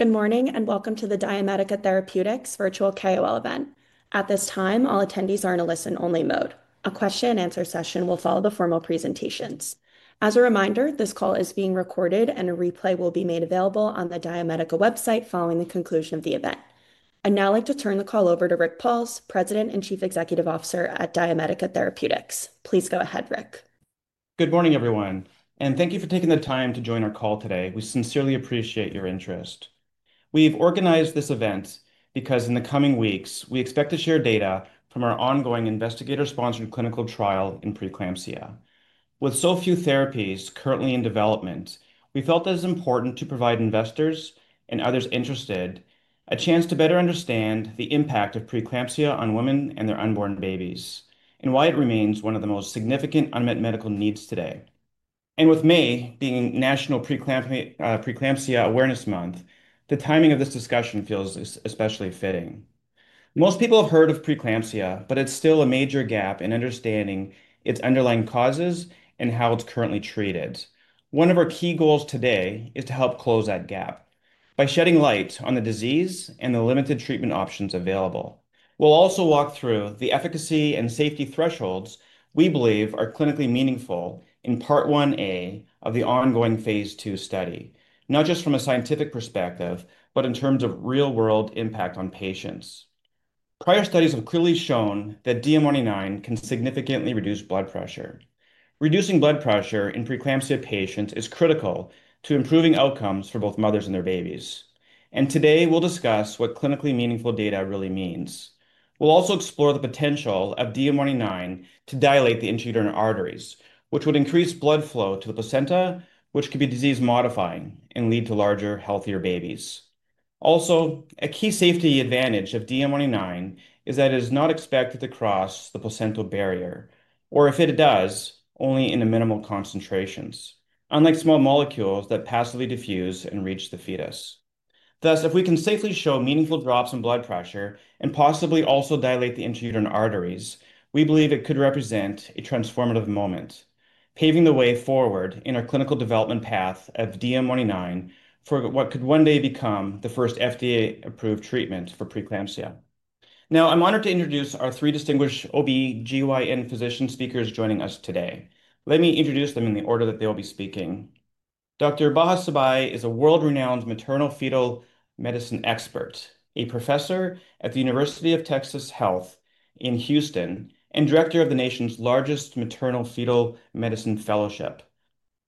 Good morning and welcome to the DiaMedica Therapeutics virtual KOL event. At this time, all attendees are in a listen-only mode. A question-and-answer session will follow the formal presentations. As a reminder, this call is being recorded and a replay will be made available on the DiaMedica website following the conclusion of the event. I'd now like to turn the call over to Rick Pauls, President and Chief Executive Officer at DiaMedica Therapeutics. Please go ahead, Rick. Good morning, everyone, and thank you for taking the time to join our call today. We sincerely appreciate your interest. We have organized this event because in the coming weeks, we expect to share data from our ongoing investigator-sponsored clinical trial in preeclampsia. With so few therapies currently in development, we felt it was important to provide investors and others interested a chance to better understand the impact of preeclampsia on women and their unborn babies, and why it remains one of the most significant unmet medical needs today. With May being National Preeclampsia Awareness Month, the timing of this discussion feels especially fitting. Most people have heard of preeclampsia, but there is still a major gap in understanding its underlying causes and how it is currently treated. One of our key goals today is to help close that gap by shedding light on the disease and the limited treatment options available. We'll also walk through the efficacy and safety thresholds we believe are clinically meaningful in Part 1A of the ongoing phase II study, not just from a scientific perspective, but in terms of real-world impact on patients. Prior studies have clearly shown that DM199 can significantly reduce blood pressure. Reducing blood pressure in preeclampsia patients is critical to improving outcomes for both mothers and their babies. Today, we'll discuss what clinically meaningful data really means. We'll also explore the potential of DM199 to dilate the intrauterine arteries, which would increase blood flow to the placenta, which could be disease-modifying and lead to larger, healthier babies. Also, a key safety advantage of DM199 is that it is not expected to cross the placental barrier, or if it does, only in minimal concentrations, unlike small molecules that passively diffuse and reach the fetus. Thus, if we can safely show meaningful drops in blood pressure and possibly also dilate the intrauterine arteries, we believe it could represent a transformative moment, paving the way forward in our clinical development path of DM199 for what could one day become the first FDA-approved treatment for preeclampsia. Now, I'm honored to introduce our three distinguished OB-GYN physician speakers joining us today. Let me introduce them in the order that they'll be speaking. Dr. Baha Sibai is a world-renowned maternal-fetal medicine expert, a professor at the University of Texas Health in Houston, and director of the nation's largest maternal-fetal medicine fellowship.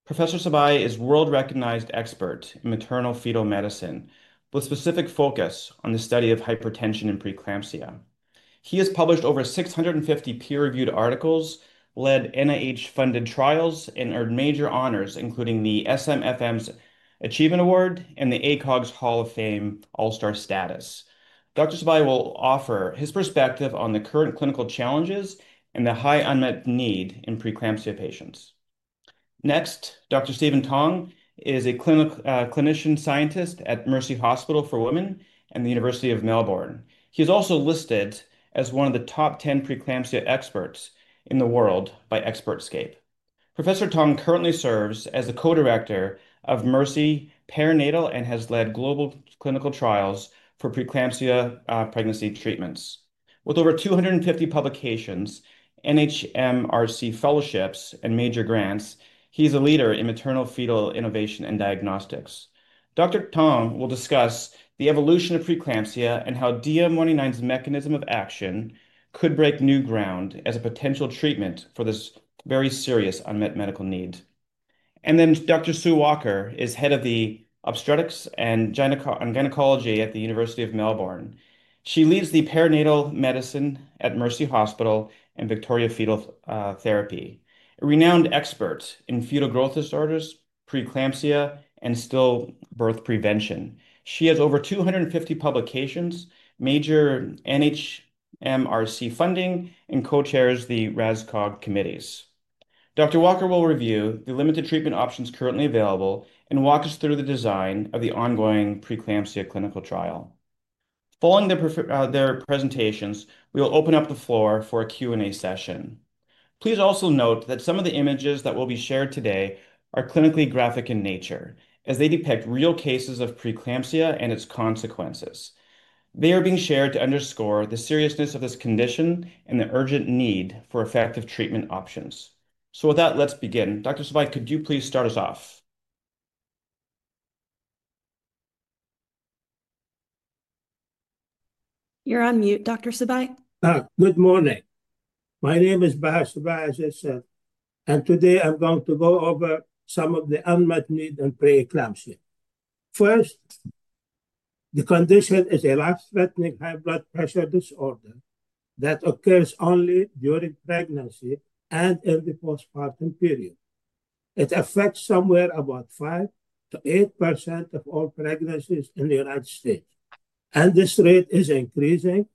Professor Sibai is a world-recognized expert in maternal-fetal medicine with a specific focus on the study of hypertension and preeclampsia. He has published over 650 peer-reviewed articles, led NIH-funded trials, and earned major honors, including the SMFM's Achievement Award and the ACOG's Hall of Fame All-Star status. Dr. Sibai will offer his perspective on the current clinical challenges and the high unmet need in preeclampsia patients. Next, Dr. Stephen Tong is a clinician scientist at Mercy Hospital for Women and the University of Melbourne. He's also listed as one of the top 10 preeclampsia experts in the world by ExpertScape. Professor Tong currently serves as the Co-Director of Mercy Perinatal and has led global clinical trials for preeclampsia pregnancy treatments. With over 250 publications, NHMRC fellowships, and major grants, he's a leader in maternal-fetal innovation and diagnostics. Dr. Tong will discuss the evolution of preeclampsia and how DM199's mechanism of action could break new ground as a potential treatment for this very serious unmet medical need. Dr. Sue Walker is head of the obstetrics and gynecology at the University of Melbourne. She leads the perinatal medicine at Mercy Hospital and Victoria Fetal Therapy, a renowned expert in fetal growth disorders, preeclampsia, and stillbirth prevention. She has over 250 publications, major NHMRC funding, and co-chairs the RANZCOG committees. Dr. Walker will review the limited treatment options currently available and walk us through the design of the ongoing preeclampsia clinical trial. Following their presentations, we'll open up the floor for a Q&A session. Please also note that some of the images that will be shared today are clinically graphic in nature, as they depict real cases of preeclampsia and its consequences. They are being shared to underscore the seriousness of this condition and the urgent need for effective treatment options. With that, let's begin. Dr. Sibai, could you please start us off? You're on mute, Dr. Sibai. Good morning. My name is Baha Sibai, and today I'm going to go over some of the unmet needs in preeclampsia. First, the condition is a life-threatening high blood pressure disorder that occurs only during pregnancy and in the postpartum period. It affects somewhere about 5%-8% of all pregnancies in the United States. This rate is increasing.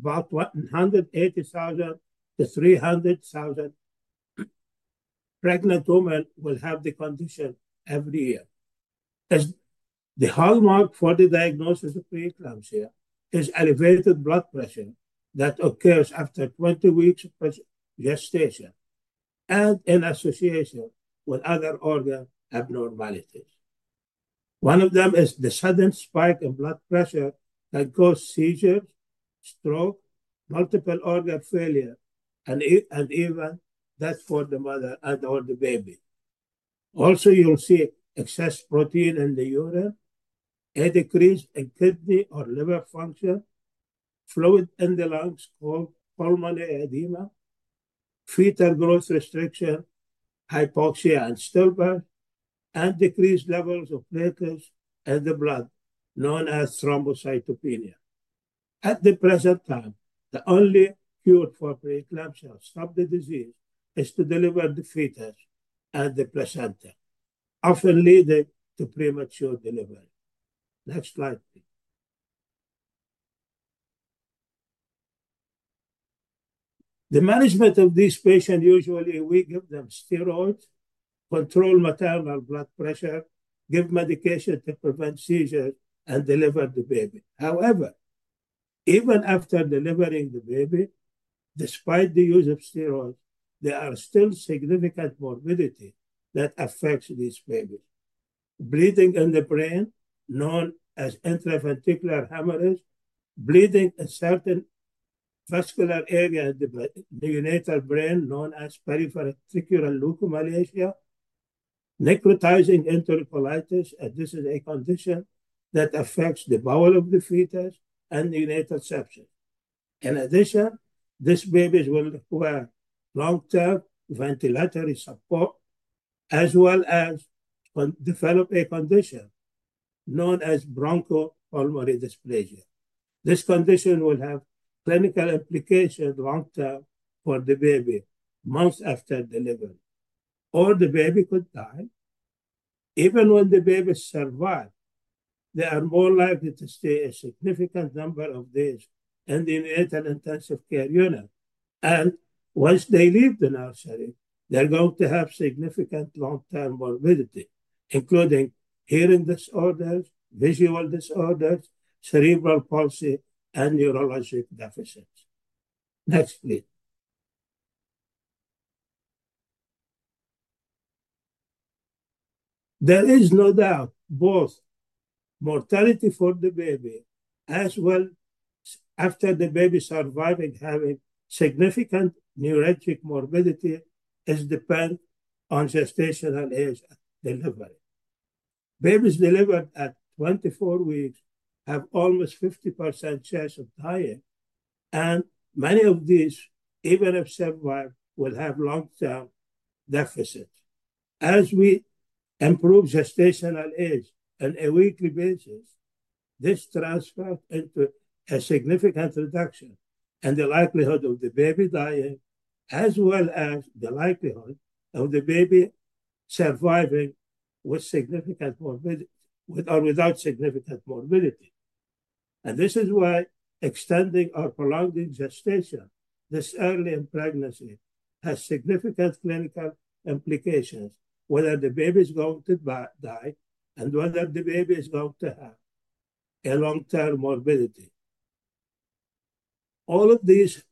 About 180,000-300,000 pregnant women will have the condition every year. The hallmark for the diagnosis of preeclampsia is elevated blood pressure that occurs after 20 weeks of gestation and in association with other organ abnormalities. One of them is the sudden spike in blood pressure that causes seizures, stroke, multiple organ failure, and even death for the mother and/or the baby. Also, you'll see excess protein in the urine, a decrease in kidney or liver function, fluid in the lungs called pulmonary edema, fetal growth restriction, hypoxia and stillbirth, and decreased levels of platelets in the blood, known as thrombocytopenia. At the present time, the only cure for preeclampsia to stop the disease is to deliver the fetus and the placenta, often leading to premature delivery. Next slide, please. The management of these patients usually involves giving them steroids, controlling maternal blood pressure, giving medication to prevent seizures, and delivering the baby. However, even after delivering the baby, despite the use of steroids, there are still significant morbidities that affect these babies: bleeding in the brain, known as intraventricular hemorrhage; bleeding in certain vascular areas of the neonatal brain, known as periventricular leukomalacia; necrotizing enterocolitis, and this is a condition that affects the bowel of the fetus and neonatal sections. In addition, these babies will require long-term ventilatory support, as well as develop a condition known as bronchopulmonary dysplasia. This condition will have clinical implications long-term for the baby, months after delivery. Or the baby could die. Even when the baby survived, they are more likely to stay a significant number of days in the neonatal intensive care unit. Once they leave the nursery, they're going to have significant long-term morbidity, including hearing disorders, visual disorders, cerebral palsy, and neurologic deficits. Next, please. There is no doubt both mortality for the baby as well as after the baby surviving having significant neurologic morbidity depends on gestational age and delivery. Babies delivered at 24 weeks have almost a 50% chance of dying, and many of these, even if survived, will have long-term deficits. As we improve gestational age on a weekly basis, this transfers into a significant reduction in the likelihood of the baby dying, as well as the likelihood of the baby surviving with significant morbidity or without significant morbidity. This is why extending or prolonging gestation this early in pregnancy has significant clinical implications, whether the baby's going to die and whether the baby is going to have a long-term morbidity. All of these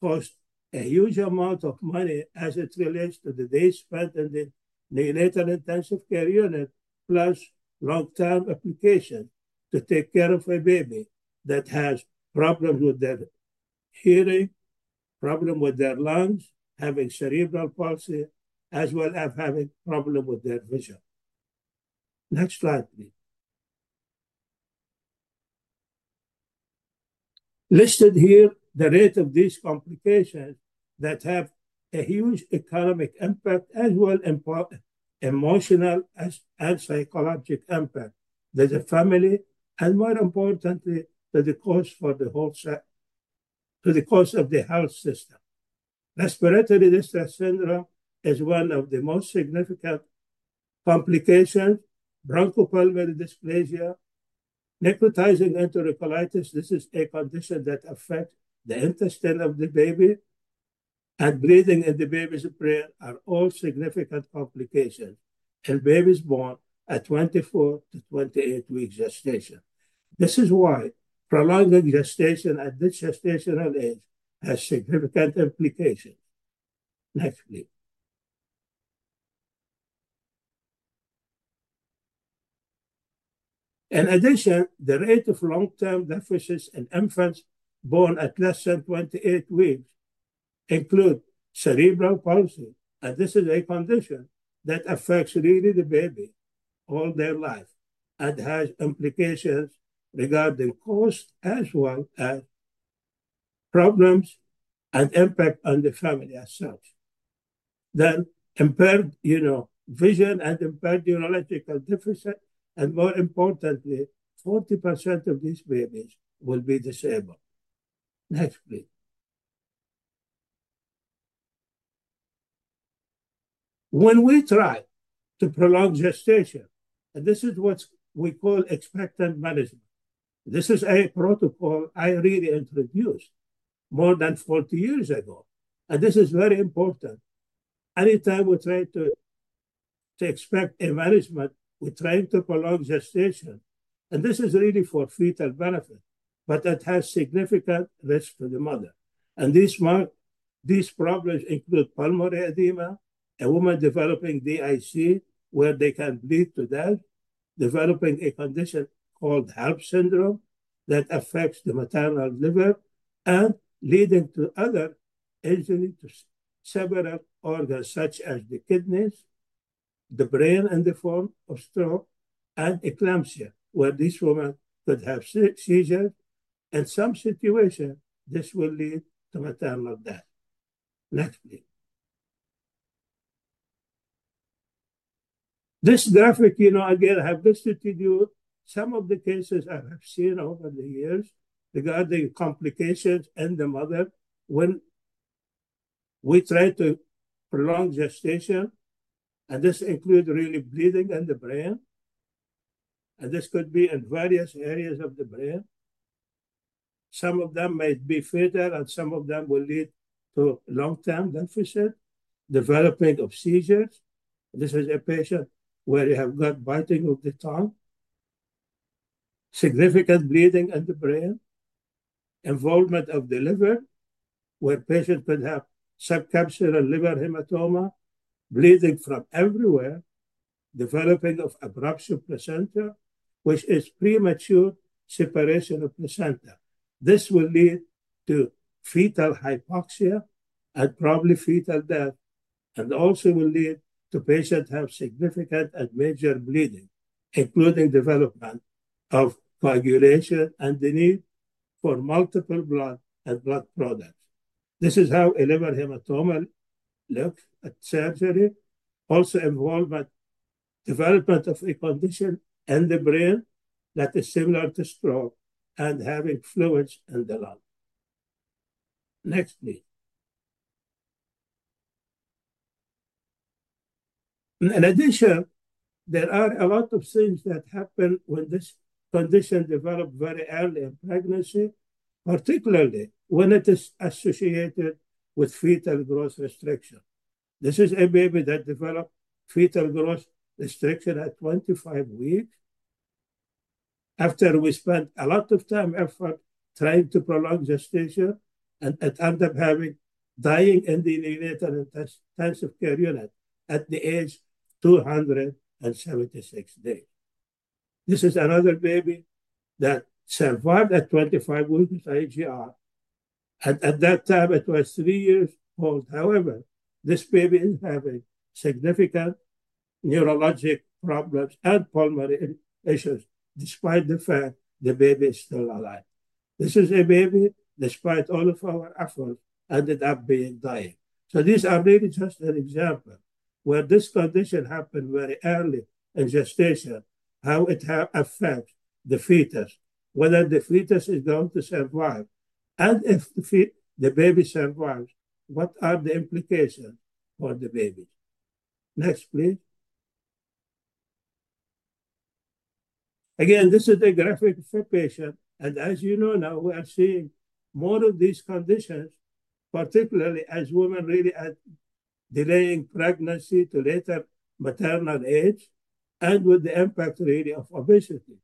cost a huge amount of money as it relates to the days spent in the neonatal intensive care unit, plus long-term implications to take care of a baby that has problems with their hearing, problems with their lungs, having cerebral palsy, as well as having problems with their vision. Next slide, please. Listed here, the rate of these complications that have a huge economic impact, as well as emotional and psychological impact, there's a family, and more importantly, there's a cost for the whole of the health system. Respiratory distress syndrome is one of the most significant complications. Bronchopulmonary dysplasia, necrotizing enterocolitis, this is a condition that affects the intestine of the baby, and bleeding in the baby's brain are all significant complications in babies born at 24-28 weeks gestation. This is why prolonging gestation at this gestational age has significant implications. Next, please. In addition, the rate of long-term deficits in infants born at less than 28 weeks includes cerebral palsy, and this is a condition that affects really the baby all their life and has implications regarding cost, as well as problems and impact on the family as such. Impaired vision and impaired neurological deficit, and more importantly, 40% of these babies will be disabled. Next, please. When we try to prolong gestation, and this is what we call expectant management, this is a protocol I really introduced more than 40 years ago, and this is very important. Anytime we try expectant management, we're trying to prolong gestation, and this is really for fetal benefit, but it has significant risks to the mother. These problems include pulmonary edema, a woman developing DIC, where they can lead to death, developing a condition called HELLP syndrome that affects the maternal liver, and leading to other injuries to several organs such as the kidneys, the brain in the form of stroke, and eclampsia, where this woman could have seizures. In some situations, this will lead to maternal death. Next, please. This graphic, you know, again, I have listed to you some of the cases I have seen over the years regarding complications in the mother when we try to prolong gestation, and this includes really bleeding in the brain, and this could be in various areas of the brain. Some of them might be fetal, and some of them will lead to long-term deficit, developing of seizures. This is a patient where they have got biting of the tongue, significant bleeding in the brain, involvement of the liver, where a patient could have subcapsular liver hematoma, bleeding from everywhere, developing of abruption placenta, which is premature separation of placenta. This will lead to fetal hypoxia and probably fetal death, and also will lead to patients have significant and major bleeding, including development of coagulation and the need for multiple blood and blood products. This is how a liver hematoma looks at surgery, also involvement, development of a condition in the brain that is similar to stroke and having fluids in the lungs. Next, please. In addition, there are a lot of things that happen when this condition develops very early in pregnancy, particularly when it is associated with fetal growth restriction. This is a baby that develops fetal growth restriction at 25 weeks, after we spent a lot of time and effort trying to prolong gestation and end up dying in the neonatal intensive care unit at the age of 276 days. This is another baby that survived at 25 weeks IUGR, and at that time, it was three years old. However, this baby is having significant neurologic problems and pulmonary issues despite the fact the baby is still alive. This is a baby, despite all of our efforts, ended up dying. These are really just an example where this condition happened very early in gestation, how it affects the fetus, whether the fetus is going to survive. If the baby survives, what are the implications for the baby? Next, please. Again, this is a graphic for patients, and as you know now, we are seeing more of these conditions, particularly as women really are delaying pregnancy to later maternal age, and with the impact really of obesity.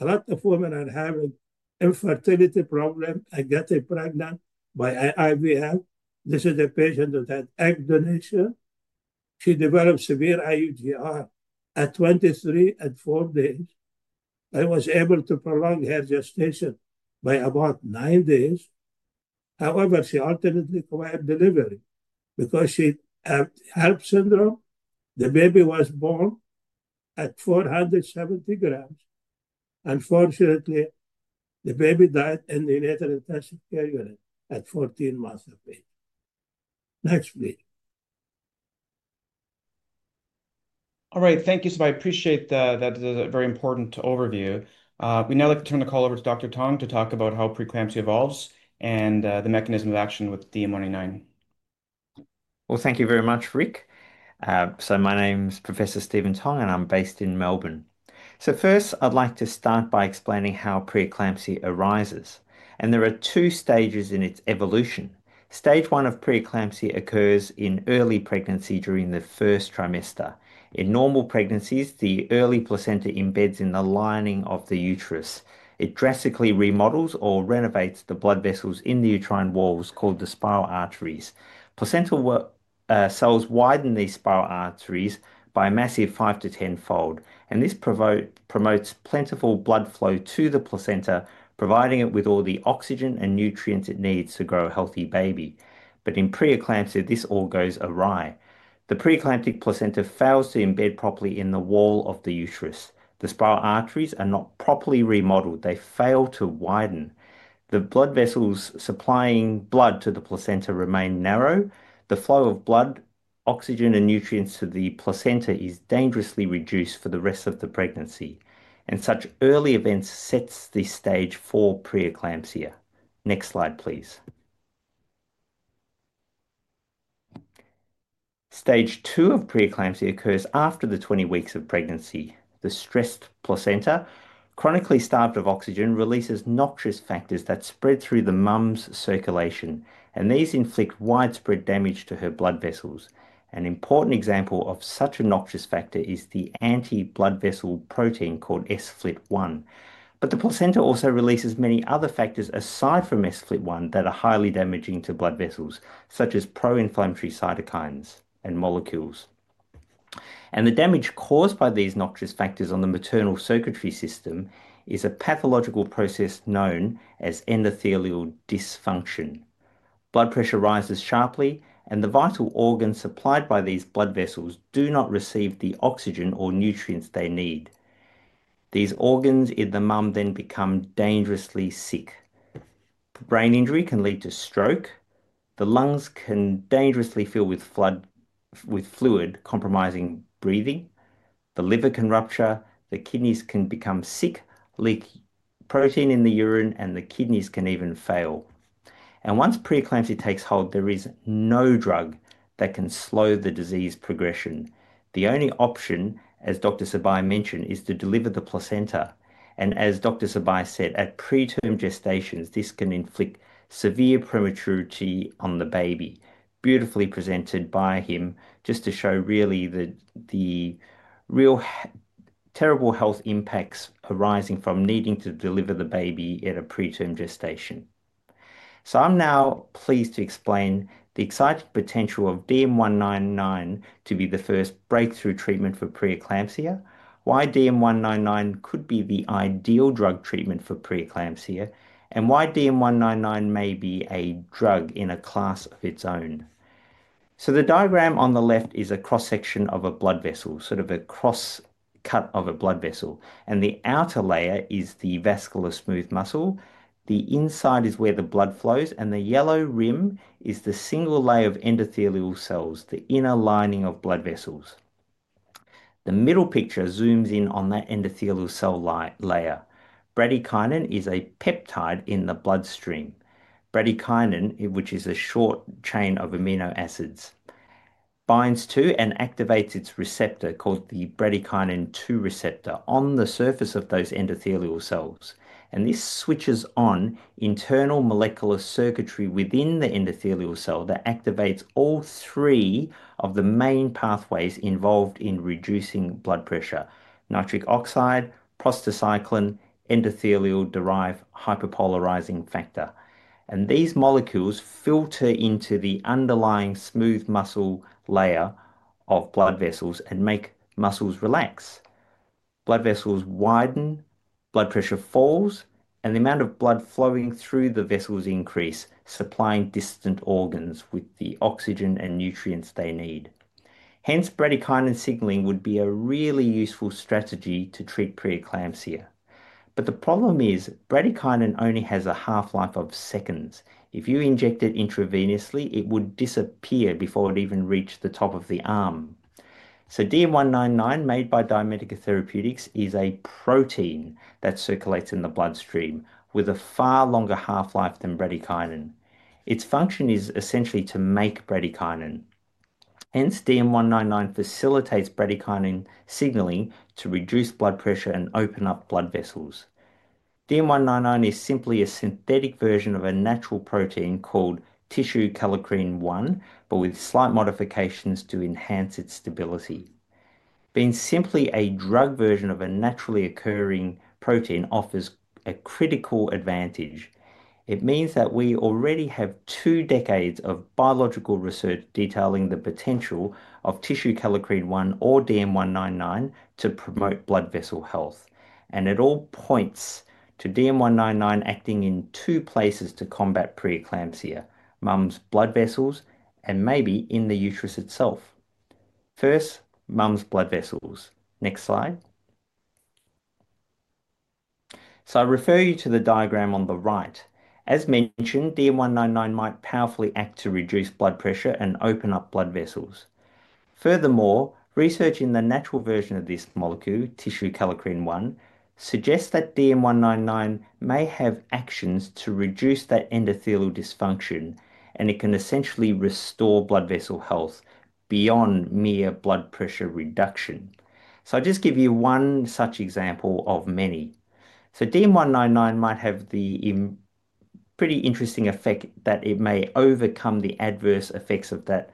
A lot of women are having infertility problems and getting pregnant by IVF. This is a patient who had egg donation. She developed severe IUGR at 23 and four days. I was able to prolong her gestation by about nine days. However, she ultimately required delivery because she had HELLP syndrome. The baby was born at 470 g. Unfortunately, the baby died in the neonatal intensive care unit at 14 months of age. Next, please. All right. Thank you, Sibai. I appreciate that it is a very important overview. We now like to turn the call over to Dr. Tong to talk about how preeclampsia evolves and the mechanism of action with DM199. Thank you very much, Rick. My name is Professor Stephen Tong, and I'm based in Melbourne. First, I'd like to start by explaining how preeclampsia arises. There are two stages in its evolution. Stage one of preeclampsia occurs in early pregnancy during the first trimester. In normal pregnancies, the early placenta embeds in the lining of the uterus. It drastically remodels or renovates the blood vessels in the uterine walls called the spiral arteries. Placental cells widen these spiral arteries by a massive 5-fold-10-fold, and this promotes plentiful blood flow to the placenta, providing it with all the oxygen and nutrients it needs to grow a healthy baby. In preeclampsia, this all goes awry. The preeclamptic placenta fails to embed properly in the wall of the uterus. The spiral arteries are not properly remodeled. They fail to widen. The blood vessels supplying blood to the placenta remain narrow. The flow of blood, oxygen, and nutrients to the placenta is dangerously reduced for the rest of the pregnancy. Such early events set the stage for preeclampsia. Next slide, please. Stage 2 of preeclampsia occurs after 20 weeks of pregnancy. The stressed placenta, chronically starved of oxygen, releases noxious factors that spread through the mom's circulation, and these inflict widespread damage to her blood vessels. An important example of such a noxious factor is the anti-blood vessel protein called sFlt-1. The placenta also releases many other factors aside from sFlt-1 that are highly damaging to blood vessels, such as pro-inflammatory cytokines and molecules. The damage caused by these noxious factors on the maternal circulatory system is a pathological process known as endothelial dysfunction. Blood pressure rises sharply, and the vital organs supplied by these blood vessels do not receive the oxygen or nutrients they need. These organs in the mom then become dangerously sick. Brain injury can lead to stroke. The lungs can dangerously fill with fluid, compromising breathing. The liver can rupture. The kidneys can become sick, leak protein in the urine, and the kidneys can even fail. Once preeclampsia takes hold, there is no drug that can slow the disease progression. The only option, as Dr. Sibai mentioned, is to deliver the placenta. As Dr. Sibai said, at preterm gestations, this can inflict severe prematurity on the baby, beautifully presented by him just to show really the real terrible health impacts arising from needing to deliver the baby at a preterm gestation. I'm now pleased to explain the exciting potential of DM199 to be the first breakthrough treatment for preeclampsia, why DM199 could be the ideal drug treatment for preeclampsia, and why DM199 may be a drug in a class of its own. The diagram on the left is a cross-section of a blood vessel, sort of a cross-cut of a blood vessel. The outer layer is the vascular smooth muscle. The inside is where the blood flows, and the yellow rim is the single layer of endothelial cells, the inner lining of blood vessels. The middle picture zooms in on that endothelial cell layer. Bradykinin is a peptide in the bloodstream. Bradykinin, which is a short chain of amino acids, binds to and activates its receptor called the bradykinin 2 receptor on the surface of those endothelial cells. This switches on internal molecular circuitry within the endothelial cell that activates all three of the main pathways involved in reducing blood pressure: nitric oxide, prostacyclin, endothelial-derived hyperpolarizing factor. These molecules filter into the underlying smooth muscle layer of blood vessels and make muscles relax. Blood vessels widen, blood pressure falls, and the amount of blood flowing through the vessels increases, supplying distant organs with the oxygen and nutrients they need. Hence, bradykinin signaling would be a really useful strategy to treat preeclampsia. The problem is bradykinin only has a half-life of seconds. If you inject it intravenously, it would disappear before it even reached the top of the arm. DM199 made by DiaMedica Therapeutics is a protein that circulates in the bloodstream with a far longer half-life than bradykinin. Its function is essentially to make bradykinin. Hence, DM199 facilitates bradykinin signaling to reduce blood pressure and open up blood vessels. DM199 is simply a synthetic version of a natural protein called tissue kallikrein-1, but with slight modifications to enhance its stability. Being simply a drug version of a naturally occurring protein offers a critical advantage. It means that we already have two decades of biological research detailing the potential of tissue kallikrein-1 or DM199 to promote blood vessel health. It all points to DM199 acting in two places to combat preeclampsia: mom's blood vessels and maybe in the uterus itself. First, mom's blood vessels. Next slide. I refer you to the diagram on the right. As mentioned, DM199 might powerfully act to reduce blood pressure and open up blood vessels. Furthermore, research in the natural version of this molecule, tissue kallikrein-1, suggests that DM199 may have actions to reduce that endothelial dysfunction, and it can essentially restore blood vessel health beyond mere blood pressure reduction. I'll just give you one such example of many. DM199 might have the pretty interesting effect that it may overcome the adverse effects of that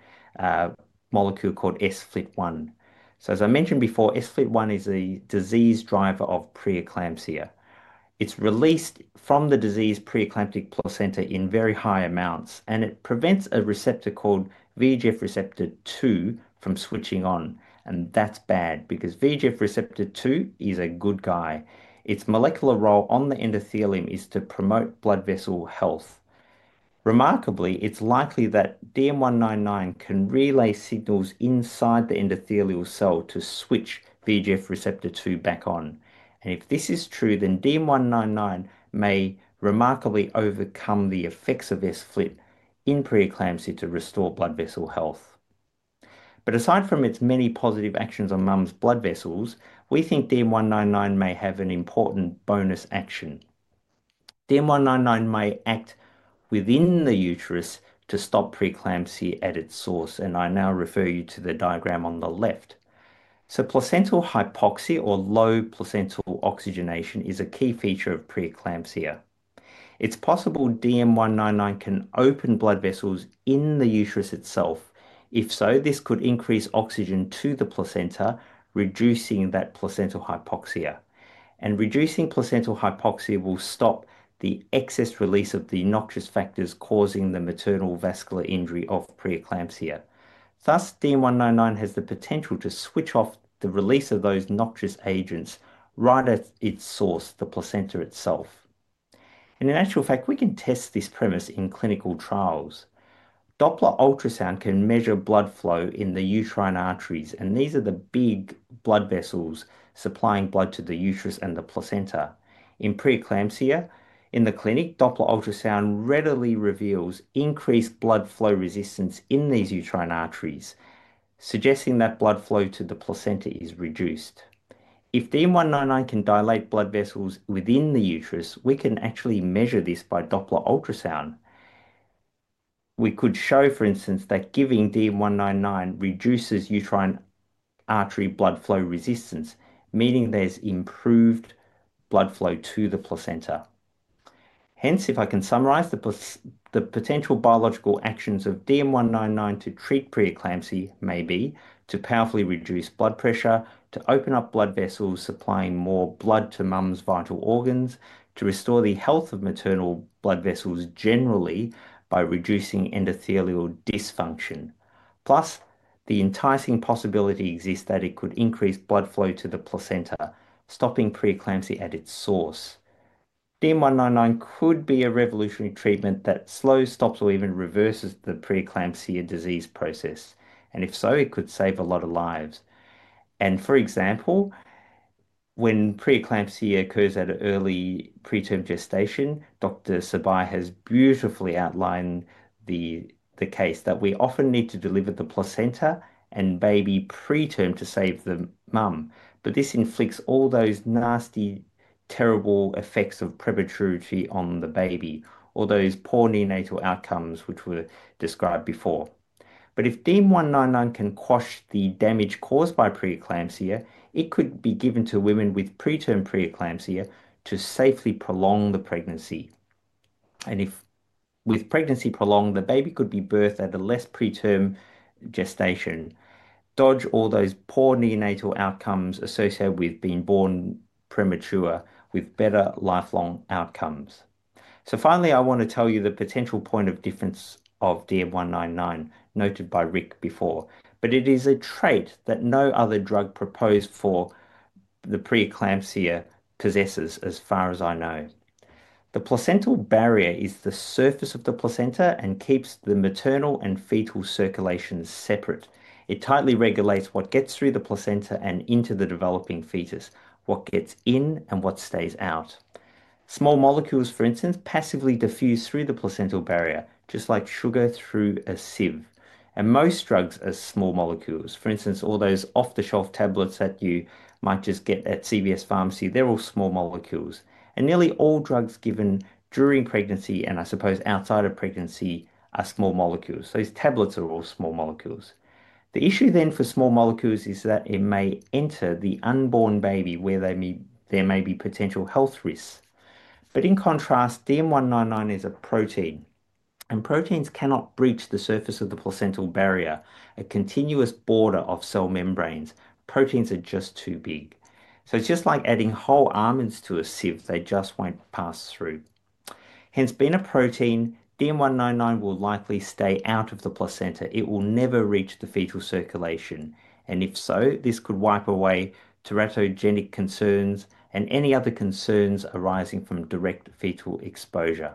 molecule called sFlt-1. As I mentioned before, sFlt-1 is a disease driver of preeclampsia. It's released from the diseased preeclamptic placenta in very high amounts, and it prevents a receptor called VEGF receptor-2 from switching on. That's bad because VEGF receptor-2 is a good guy. Its molecular role on the endothelium is to promote blood vessel health. Remarkably, it's likely that DM199 can relay signals inside the endothelial cell to switch VEGF receptor-2 back on. If this is true, then DM199 may remarkably overcome the effects of sFlt-1 in preeclampsia to restore blood vessel health. Aside from its many positive actions on mom's blood vessels, we think DM199 may have an important bonus action. DM199 may act within the uterus to stop preeclampsia at its source, and I now refer you to the diagram on the left. Placental hypoxia or low placental oxygenation is a key feature of preeclampsia. It is possible DM199 can open blood vessels in the uterus itself. If so, this could increase oxygen to the placenta, reducing that placental hypoxia. Reducing placental hypoxia will stop the excess release of the noxious factors causing the maternal vascular injury of preeclampsia. Thus, DM199 has the potential to switch off the release of those noxious agents right at its source, the placenta itself. In actual fact, we can test this premise in clinical trials. Doppler ultrasound can measure blood flow in the uterine arteries, and these are the big blood vessels supplying blood to the uterus and the placenta. In preeclampsia, in the clinic, Doppler ultrasound readily reveals increased blood flow resistance in these uterine arteries, suggesting that blood flow to the placenta is reduced. If DM199 can dilate blood vessels within the uterus, we can actually measure this by Doppler ultrasound. We could show, for instance, that giving DM199 reduces uterine artery blood flow resistance, meaning there's improved blood flow to the placenta. Hence, if I can summarize, the potential biological actions of DM199 to treat preeclampsia may be to powerfully reduce blood pressure, to open up blood vessels supplying more blood to mom's vital organs, to restore the health of maternal blood vessels generally by reducing endothelial dysfunction. Plus, the enticing possibility exists that it could increase blood flow to the placenta, stopping preeclampsia at its source. DM199 could be a revolutionary treatment that slows, stops, or even reverses the preeclampsia disease process. If so, it could save a lot of lives. For example, when preeclampsia occurs at an early preterm gestation, Dr. Sibai has beautifully outlined the case that we often need to deliver the placenta and baby preterm to save the mom. This inflicts all those nasty, terrible effects of prematurity on the baby, or those poor neonatal outcomes which were described before. If DM199 can quash the damage caused by preeclampsia, it could be given to women with preterm preeclampsia to safely prolong the pregnancy. If with pregnancy prolonged, the baby could be birthed at a less preterm gestation, dodge all those poor neonatal outcomes associated with being born premature with better lifelong outcomes. Finally, I want to tell you the potential point of difference of DM199 noted by Rick before, but it is a trait that no other drug proposed for the preeclampsia possesses as far as I know. The placental barrier is the surface of the placenta and keeps the maternal and fetal circulation separate. It tightly regulates what gets through the placenta and into the developing fetus, what gets in and what stays out. Small molecules, for instance, passively diffuse through the placental barrier, just like sugar through a sieve. Most drugs are small molecules. For instance, all those off-the-shelf tablets that you might just get at CVS Pharmacy, they're all small molecules. Nearly all drugs given during pregnancy, and I suppose outside of pregnancy, are small molecules. Those tablets are all small molecules. The issue then for small molecules is that it may enter the unborn baby where there may be potential health risks. In contrast, DM199 is a protein. Proteins cannot breach the surface of the placental barrier, a continuous border of cell membranes. Proteins are just too big. It is just like adding whole almonds to a sieve. They just will not pass through. Hence, being a protein, DM199 will likely stay out of the placenta. It will never reach the fetal circulation. If so, this could wipe away teratogenic concerns and any other concerns arising from direct fetal exposure.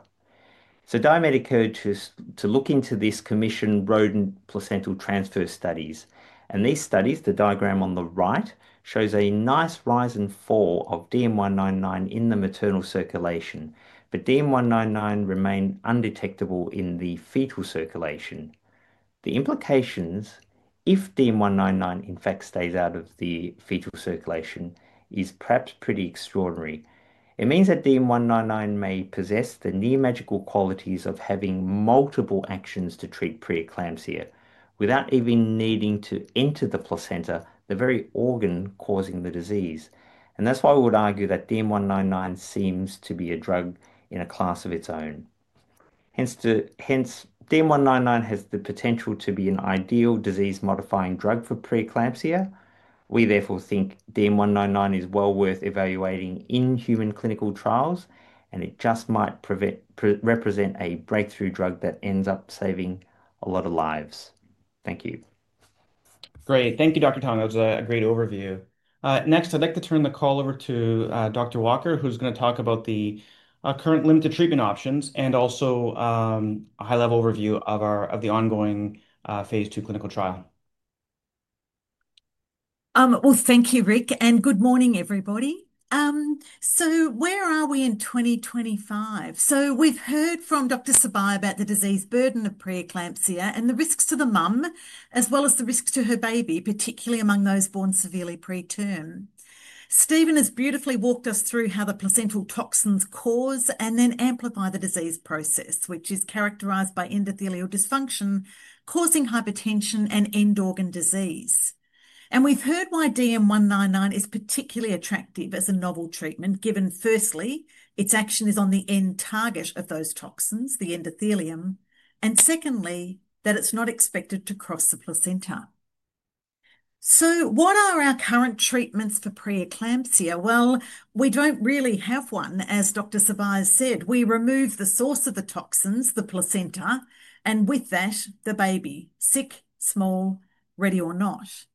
DiaMedica Therapeutics to look into this commissioned rodent placental transfer studies. These studies, the diagram on the right, shows a nice rise and fall of DM199 in the maternal circulation. DM199 remained undetectable in the fetal circulation. The implications, if DM199 in fact stays out of the fetal circulation, is perhaps pretty extraordinary. It means that DM199 may possess the neumagical qualities of having multiple actions to treat preeclampsia without even needing to enter the placenta, the very organ causing the disease. That is why we would argue that DM199 seems to be a drug in a class of its own. Hence, DM199 has the potential to be an ideal disease-modifying drug for preeclampsia. We therefore think DM199 is well worth evaluating in human clinical trials, and it just might represent a breakthrough drug that ends up saving a lot of lives. Thank you. Great. Thank you, Dr. Tong. That was a great overview. Next, I'd like to turn the call over to Dr. Walker, who's going to talk about the current limited treatment options and also a high-level overview of our ongoing phase II clinical trial. Thank you, Rick. Good morning, everybody. Where are we in 2025? We've heard from Dr. Sibai about the disease burden of preeclampsia and the risks to the mom, as well as the risks to her baby, particularly among those born severely preterm. Stephen has beautifully walked us through how the placental toxins cause and then amplify the disease process, which is characterized by endothelial dysfunction, causing hypertension and end-organ disease. We've heard why DM199 is particularly attractive as a novel treatment, given firstly, its action is on the end target of those toxins, the endothelium, and secondly, that it's not expected to cross the placenta. What are our current treatments for preeclampsia? We do not really have one. As Dr. Sibai said, we remove the source of the toxins, the placenta, and with that, the baby, sick, small, ready or not.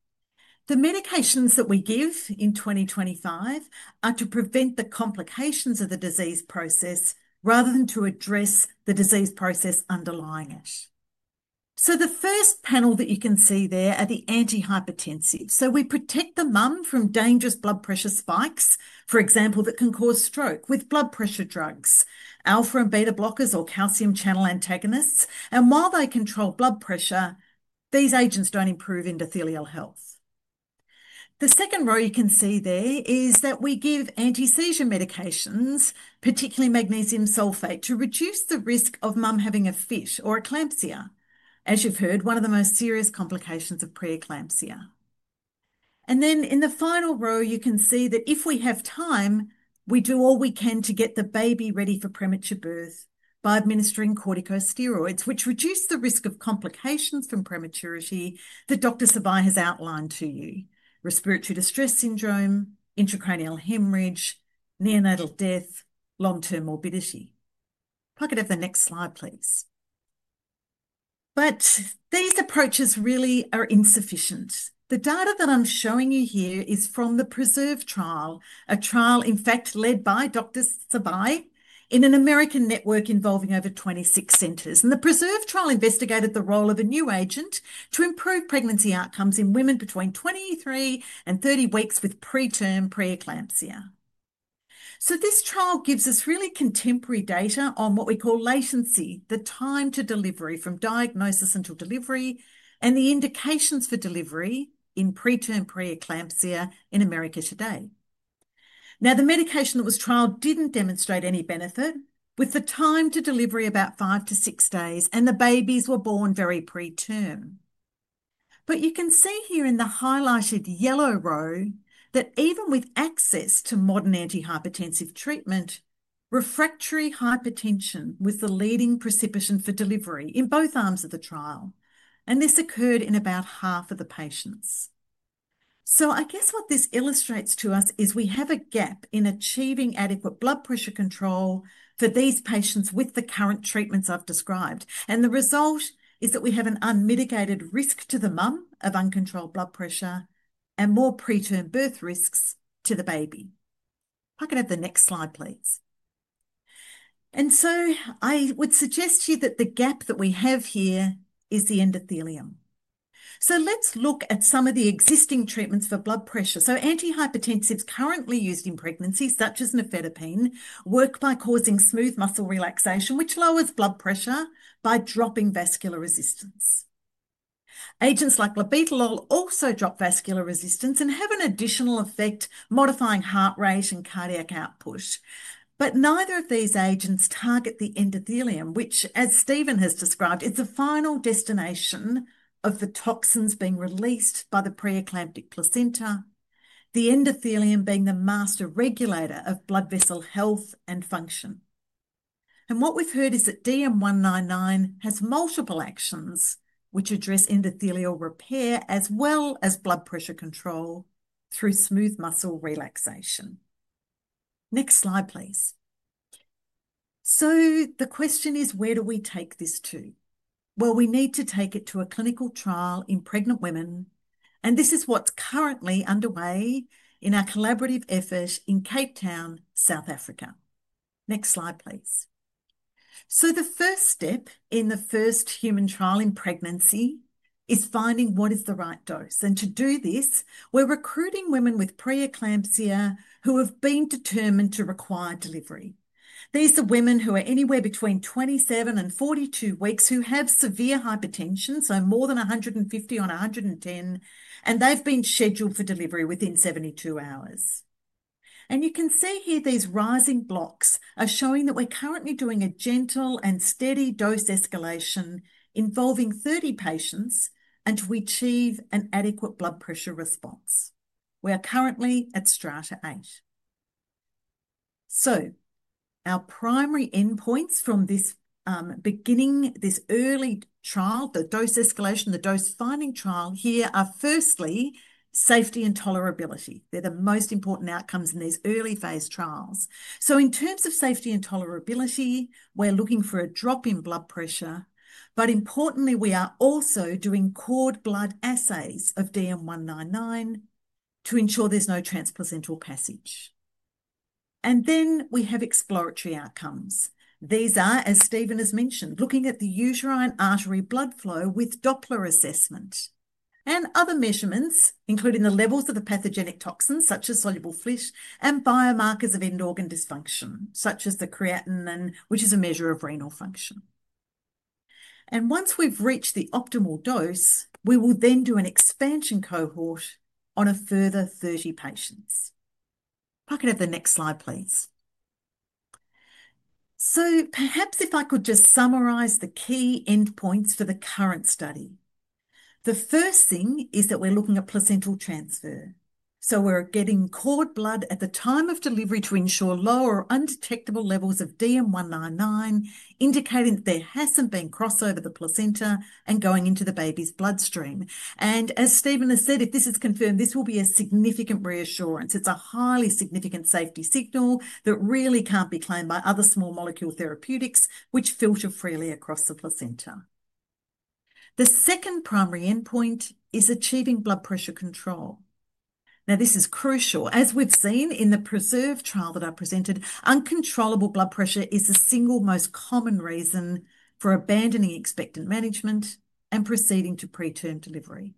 The medications that we give in 2025 are to prevent the complications of the disease process rather than to address the disease process underlying it. The first panel that you can see there are the antihypertensives. We protect the mom from dangerous blood pressure spikes, for example, that can cause stroke with blood pressure drugs, alpha and beta blockers or calcium channel antagonists. While they control blood pressure, these agents do not improve endothelial health. The second row you can see there is that we give anti-seizure medications, particularly magnesium sulfate, to reduce the risk of mom having a fit or eclampsia, as you've heard, one of the most serious complications of preeclampsia. In the final row, you can see that if we have time, we do all we can to get the baby ready for premature birth by administering corticosteroids, which reduce the risk of complications from prematurity that Dr. Sibai has outlined to you: respiratory distress syndrome, intracranial hemorrhage, neonatal death, long-term morbidity. If I could have the next slide, please. These approaches really are insufficient. The data that I'm showing you here is from the PRESERVE trial, a trial in fact led by Dr. Sibai in an American network involving over 26 centers. The PRESERVE trial investigated the role of a new agent to improve pregnancy outcomes in women between 23 and 30 weeks with preterm preeclampsia. This trial gives us really contemporary data on what we call latency, the time to delivery from diagnosis until delivery, and the indications for delivery in preterm preeclampsia in America today. The medication that was trialed did not demonstrate any benefit, with the time to delivery about 5 days-6 days, and the babies were born very preterm. You can see here in the highlighted yellow row that even with access to modern antihypertensive treatment, refractory hypertension was the leading precipitant for delivery in both arms of the trial. This occurred in about half of the patients. I guess what this illustrates to us is we have a gap in achieving adequate blood pressure control for these patients with the current treatments I've described. The result is that we have an unmitigated risk to the mom of uncontrolled blood pressure and more preterm birth risks to the baby. If I could have the next slide, please. I would suggest to you that the gap that we have here is the endothelium. Let's look at some of the existing treatments for blood pressure. Antihypertensives currently used in pregnancies, such as nifedipine, work by causing smooth muscle relaxation, which lowers blood pressure by dropping vascular resistance. Agents like labetalol also drop vascular resistance and have an additional effect modifying heart rate and cardiac output. Neither of these agents target the endothelium, which, as Stephen has described, is the final destination of the toxins being released by the preeclamptic placenta, the endothelium being the master regulator of blood vessel health and function. What we've heard is that DM199 has multiple actions which address endothelial repair as well as blood pressure control through smooth muscle relaxation. Next slide, please. The question is, where do we take this to? We need to take it to a clinical trial in pregnant women. This is what's currently underway in our collaborative effort in Cape Town, South Africa. Next slide, please. The first step in the first human trial in pregnancy is finding what is the right dose. To do this, we're recruiting women with preeclampsia who have been determined to require delivery. These are women who are anywhere between 27 and 42 weeks who have severe hypertension, so more than 150 on 110, and they've been scheduled for delivery within 72 hours. You can see here these rising blocks are showing that we're currently doing a gentle and steady dose escalation involving 30 patients until we achieve an adequate blood pressure response. We are currently at strata eight. Our primary endpoints from this beginning, this early trial, the dose escalation, the dose finding trial here are firstly safety and tolerability. They're the most important outcomes in these early phase trials. In terms of safety and tolerability, we're looking for a drop in blood pressure. Importantly, we are also doing cord blood assays of DM199 to ensure there's no transplacental passage. We have exploratory outcomes. These are, as Stephen has mentioned, looking at the uterine artery blood flow with Doppler assessment and other measurements, including the levels of the pathogenic toxins such as soluble sFlt-1 and biomarkers of end-organ dysfunction, such as the creatinine, which is a measure of renal function. Once we've reached the optimal dose, we will then do an expansion cohort on a further 30 patients. If I could have the next slide, please. Perhaps if I could just summarize the key endpoints for the current study. The first thing is that we're looking at placental transfer. We're getting cord blood at the time of delivery to ensure lower undetectable levels of DM199, indicating that there hasn't been crossover of the placenta and going into the baby's bloodstream. As Stephen has said, if this is confirmed, this will be a significant reassurance. It's a highly significant safety signal that really can't be claimed by other small molecule therapeutics, which filter freely across the placenta. The second primary endpoint is achieving blood pressure control. Now, this is crucial. As we've seen in the PRESERVE trial that I presented, uncontrollable blood pressure is the single most common reason for abandoning expectant management and proceeding to preterm delivery.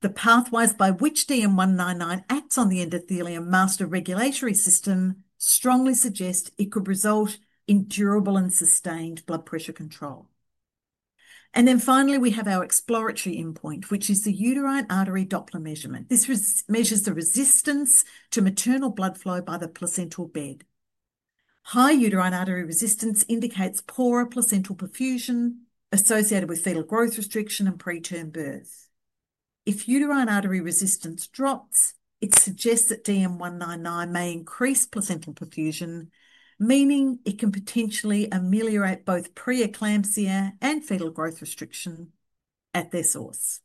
The pathways by which DM199 acts on the endothelium master regulatory system strongly suggest it could result in durable and sustained blood pressure control. Finally, we have our exploratory endpoint, which is the uterine artery Doppler measurement. This measures the resistance to maternal blood flow by the placental bed. High uterine artery resistance indicates poorer placental perfusion associated with fetal growth restriction and preterm birth. If uterine artery resistance drops, it suggests that DM199 may increase placental perfusion, meaning it can potentially ameliorate both preeclampsia and fetal growth restriction at their source.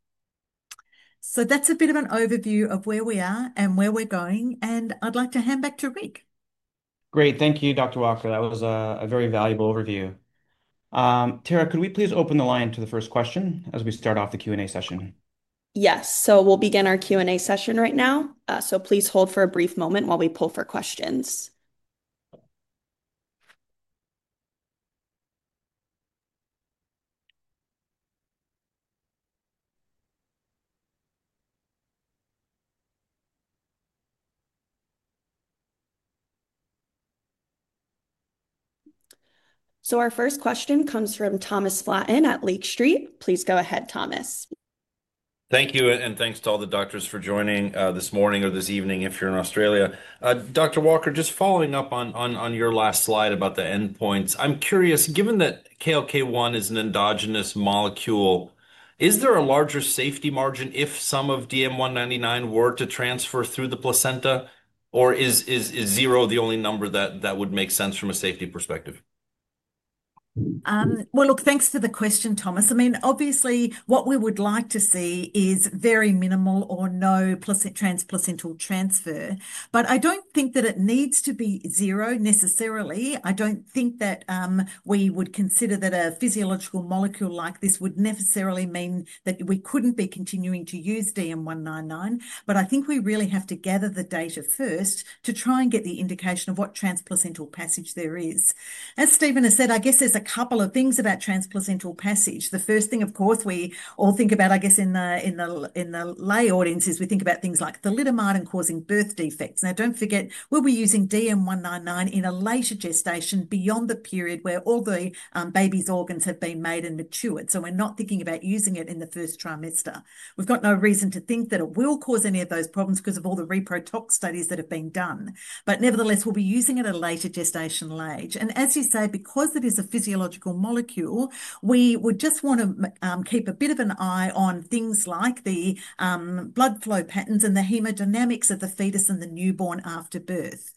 That is a bit of an overview of where we are and where we're going. I'd like to hand back to Rick. Great. Thank you, Dr. Walker. That was a very valuable overview. Tara, could we please open the line to the first question as we start off the Q&A session? Yes. We'll begin our Q&A session right now. Please hold for a brief moment while we pull for questions. Our first question comes from Thomas Flaten at Lake Street. Please go ahead, Thomas. Thank you. And thanks to all the doctors for joining this morning or this evening if you're in Australia. Dr. Walker, just following up on your last slide about the endpoints, I'm curious, given that KLK1 is an endogenous molecule, is there a larger safety margin if some of DM199 were to transfer through the placenta? Or is zero the only number that would make sense from a safety perspective? Thanks for the question, Thomas. I mean, obviously, what we would like to see is very minimal or no transplacental transfer. I don't think that it needs to be zero necessarily. I don't think that we would consider that a physiological molecule like this would necessarily mean that we couldn't be continuing to use DM199. I think we really have to gather the data first to try and get the indication of what transplacental passage there is. As Stephen has said, I guess there's a couple of things about transplacental passage. The first thing, of course, we all think about, I guess, in the lay audience is we think about things like thalidomide and causing birth defects. Now, do not forget, we will be using DM199 in a later gestation beyond the period where all the baby's organs have been made and matured. We are not thinking about using it in the first trimester. We have no reason to think that it will cause any of those problems because of all the reprotox studies that have been done. Nevertheless, we will be using it at a later gestational age. As you say, because it is a physiological molecule, we would just want to keep a bit of an eye on things like the blood flow patterns and the hemodynamics of the fetus and the newborn after birth.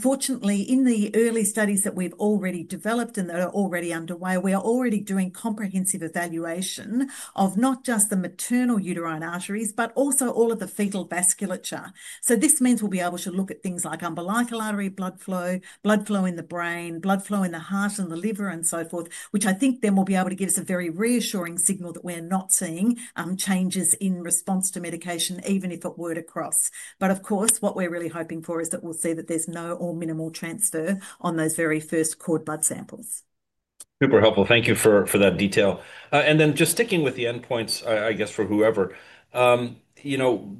Fortunately, in the early studies that we've already developed and that are already underway, we are already doing comprehensive evaluation of not just the maternal uterine arteries, but also all of the fetal vasculature. This means we'll be able to look at things like umbilical artery blood flow, blood flow in the brain, blood flow in the heart and the liver and so forth, which I think then will be able to give us a very reassuring signal that we're not seeing changes in response to medication, even if it were to cross. Of course, what we're really hoping for is that we'll see that there's no or minimal transfer on those very first cord blood samples. Super helpful. Thank you for that detail. And then just sticking with the endpoints, I guess, for whoever, you know,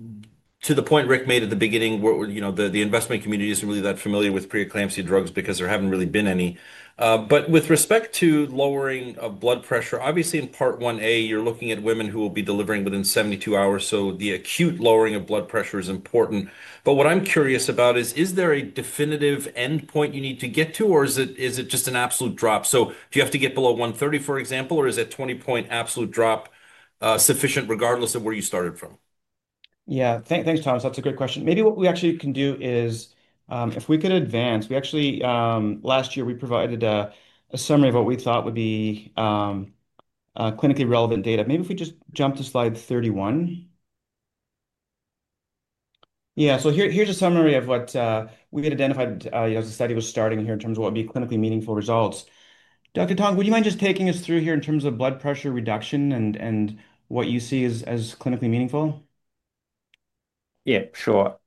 to the point Rick made at the beginning, you know, the investment community isn't really that familiar with preeclampsia drugs because there haven't really been any. With respect to lowering of blood pressure, obviously Part 1A, you're looking at women who will be delivering within 72 hours. The acute lowering of blood pressure is important. What I'm curious about is, is there a definitive endpoint you need to get to, or is it just an absolute drop? Do you have to get below 130, for example, or is a 20-point absolute drop sufficient regardless of where you started from? Yeah, thanks, Thomas. That's a great question. Maybe what we actually can do is if we could advance, we actually, last year, we provided a summary of what we thought would be clinically relevant data. Maybe if we just jump to slide 31. Yeah, so here's a summary of what we had identified as the study was starting here in terms of what would be clinically meaningful results. Dr. Tong, would you mind just taking us through here in terms of blood pressure reduction and what you see as clinically meaningful? Yeah, sure.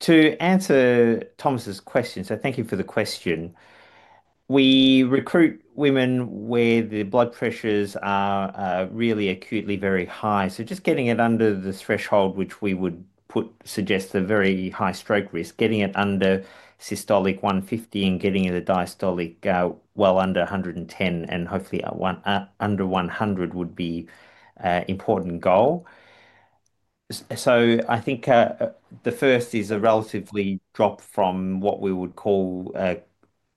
To answer Thomas' question, so thank you for the question. We recruit women where the blood pressures are really acutely very high. Just getting it under the threshold, which we would suggest a very high stroke risk, getting it under systolic 150 and getting it a diastolic well under 110 and hopefully under 100 would be an important goal. I think the first is a relatively drop from what we would call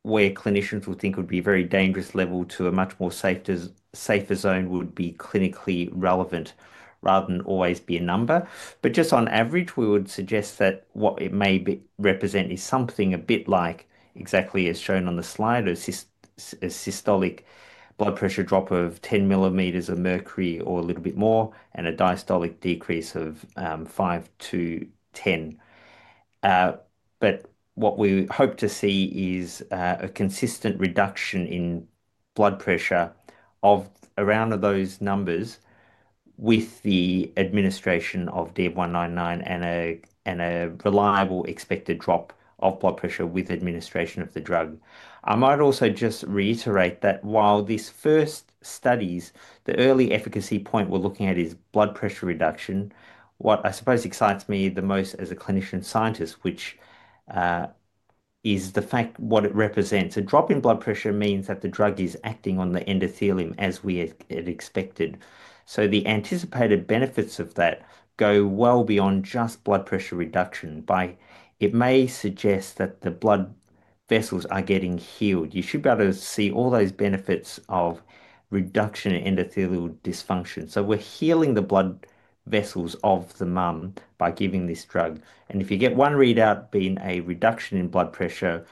where clinicians would think would be a very dangerous level to a much more safer zone would be clinically relevant rather than always be a number. Just on average, we would suggest that what it may represent is something a bit like exactly as shown on the slide, a systolic blood pressure drop of 10 mm of mercury or a little bit more and a diastolic decrease of 5-10. What we hope to see is a consistent reduction in blood pressure of around those numbers with the administration of DM199 and a reliable expected drop of blood pressure with administration of the drug. I might also just reiterate that while these first studies, the early efficacy point we're looking at is blood pressure reduction, what I suppose excites me the most as a clinician scientist, which is the fact what it represents. A drop in blood pressure means that the drug is acting on the endothelium as we had expected. The anticipated benefits of that go well beyond just blood pressure reduction by it may suggest that the blood vessels are getting healed. You should be able to see all those benefits of reduction in endothelial dysfunction. We're healing the blood vessels of the mom by giving this drug. If you get one readout being a reduction in blood pressure,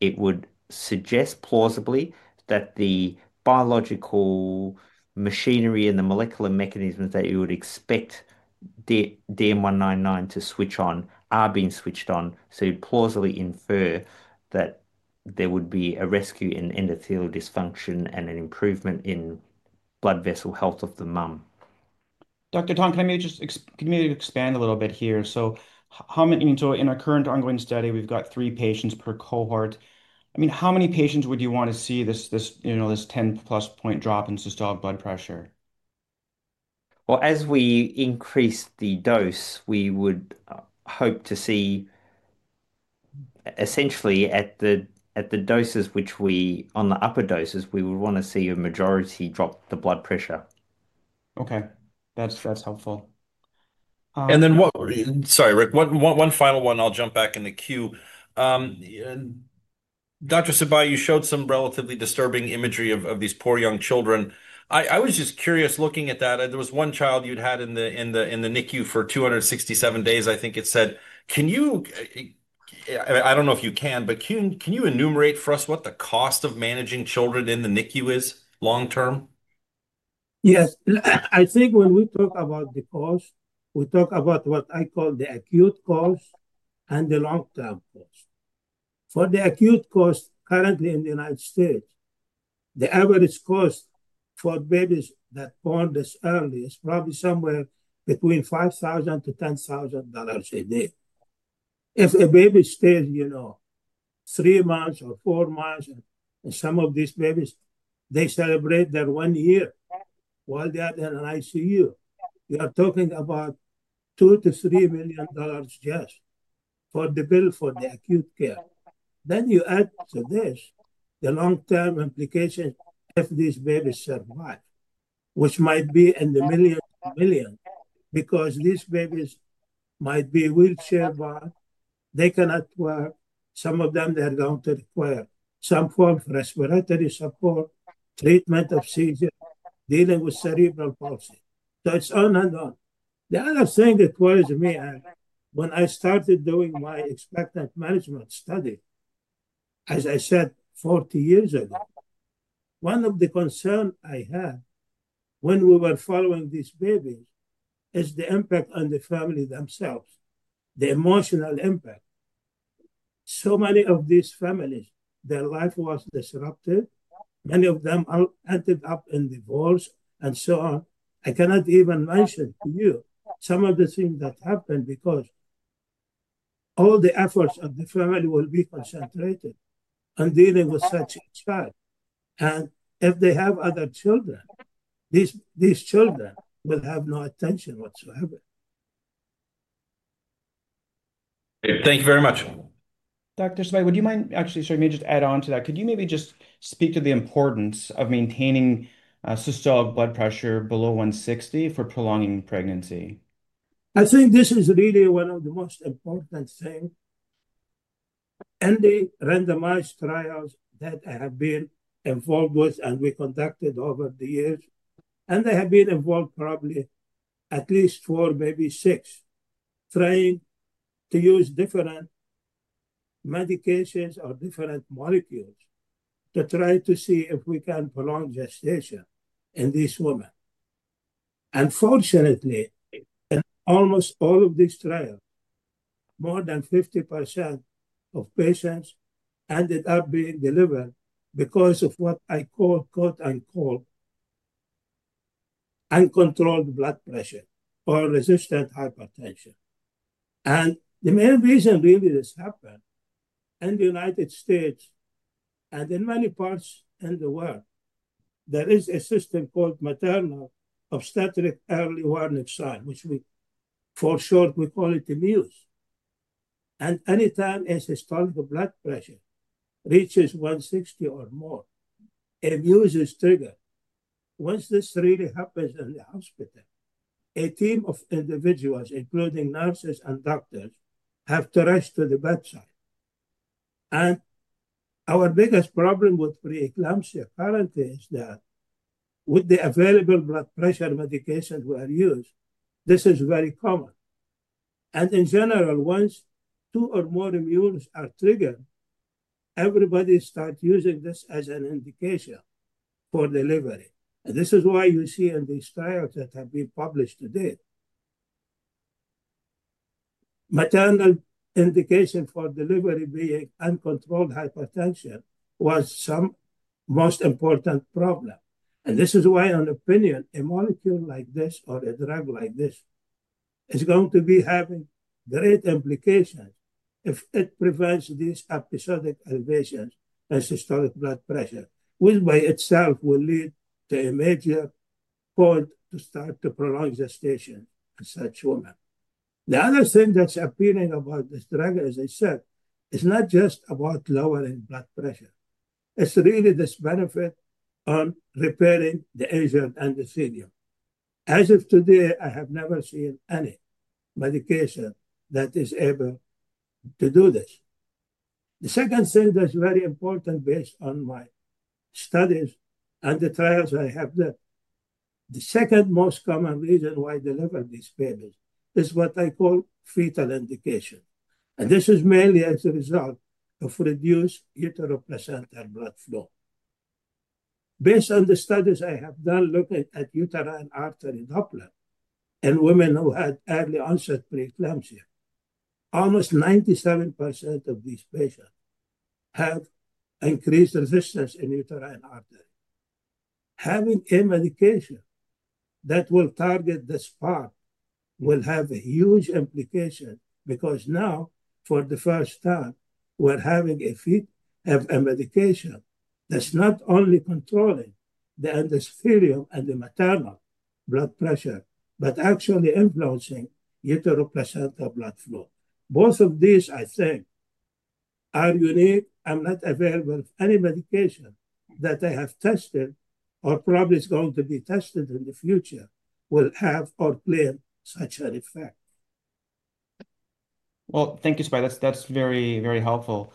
it would suggest plausibly that the biological machinery and the molecular mechanisms that you would expect DM199 to switch on are being switched on. You plausibly infer that there would be a rescue in endothelial dysfunction and an improvement in blood vessel health of the mom. Dr. Tong, can you just expand a little bit here? How many in our current ongoing study, we've got three patients per cohort. I mean, how many patients would you want to see this 10+ point drop in systolic blood pressure? As we increase the dose, we would hope to see essentially at the doses, which we on the upper doses, we would want to see a majority drop the blood pressure. Okay. That's helpful. What, sorry, Rick, one final one. I'll jump back in the queue. Dr. Sibai, you showed some relatively disturbing imagery of these poor young children. I was just curious looking at that. There was one child you'd had in the NICU for 267 days, I think it said. Can you, I mean, I don't know if you can, but can you enumerate for us what the cost of managing children in the NICU is long-term? Yes. I think when we talk about the cost, we talk about what I call the acute cost and the long-term cost. For the acute cost currently in the United States, the average cost for babies that are born this early is probably somewhere between $5,000-$10,000 a day. If a baby stays three months or four months, and some of these babies, they celebrate their one year while they are in an NICU, we are talking about $2 million-$3 million just for the bill for the acute care. Then you add to this the long-term implications. If these babies survive, which might be in the millions, millions, because these babies might be wheelchair-bound, they cannot work. Some of them, they are going to require some form of respiratory support, treatment of seizures, dealing with cerebral palsy. It is on and on. The other thing that worries me, when I started doing my expectant management study, as I said, 40 years ago, one of the concerns I had when we were following these babies is the impact on the family themselves, the emotional impact. So many of these families, their life was disrupted. Many of them ended up in divorce and so on. I cannot even mention to you some of the things that happened because all the efforts of the family will be concentrated on dealing with such a child. If they have other children, these children will have no attention whatsoever. Thank you very much. Dr. Sibai, would you mind actually, sorry, maybe just add on to that. Could you maybe just speak to the importance of maintaining systolic blood pressure below 160 for prolonging pregnancy? I think this is really one of the most important things. The randomized trials that I have been involved with and we conducted over the years, and they have been involved probably at least four, maybe six, trying to use different medications or different molecules to try to see if we can prolong gestation in these women. Fortunately, in almost all of these trials, more than 50% of patients ended up being delivered because of what I call, quote unquote, uncontrolled blood pressure or resistant hypertension. The main reason really this happened in the United States and in many parts in the world, there is a system called Maternal Obstetric Early Warning Sign, which we for short, we call it MOEWS. Anytime a systolic blood pressure reaches 160 or more, a MOEWS is triggered. Once this really happens in the hospital, a team of individuals, including nurses and doctors, have to rush to the bedside. Our biggest problem with preeclampsia currently is that with the available blood pressure medications we are using, this is very common. In general, once two or more MOEWS are triggered, everybody starts using this as an indication for delivery. This is why you see in these trials that have been published to date, maternal indication for delivery being uncontrolled hypertension was some most important problem. This is why, in my opinion, a molecule like this or a drug like this is going to be having great implications if it prevents these episodic elevations in systolic blood pressure, which by itself will lead to a major point to start to prolong gestation in such women. The other thing that's appealing about this drug, as I said, is not just about lowering blood pressure. It's really this benefit on repairing the age of endothelium. As of today, I have never seen any medication that is able to do this. The second thing that's very important based on my studies and the trials I have done, the second most common reason why I deliver these babies is what I call fetal indication. This is mainly as a result of reduced uteroplacental blood flow. Based on the studies I have done looking at uterine artery Doppler in women who had early onset preeclampsia, almost 97% of these patients have increased resistance in uterine artery. Having a medication that will target this part will have a huge implication because now, for the first time, we're having a fit of a medication that's not only controlling the endothelium and the maternal blood pressure, but actually influencing uteroplacental blood flow. Both of these, I think, are unique. I'm not aware of any medication that I have tested or probably is going to be tested in the future will have or play such an effect. Thank you, Sibai. That's very, very helpful.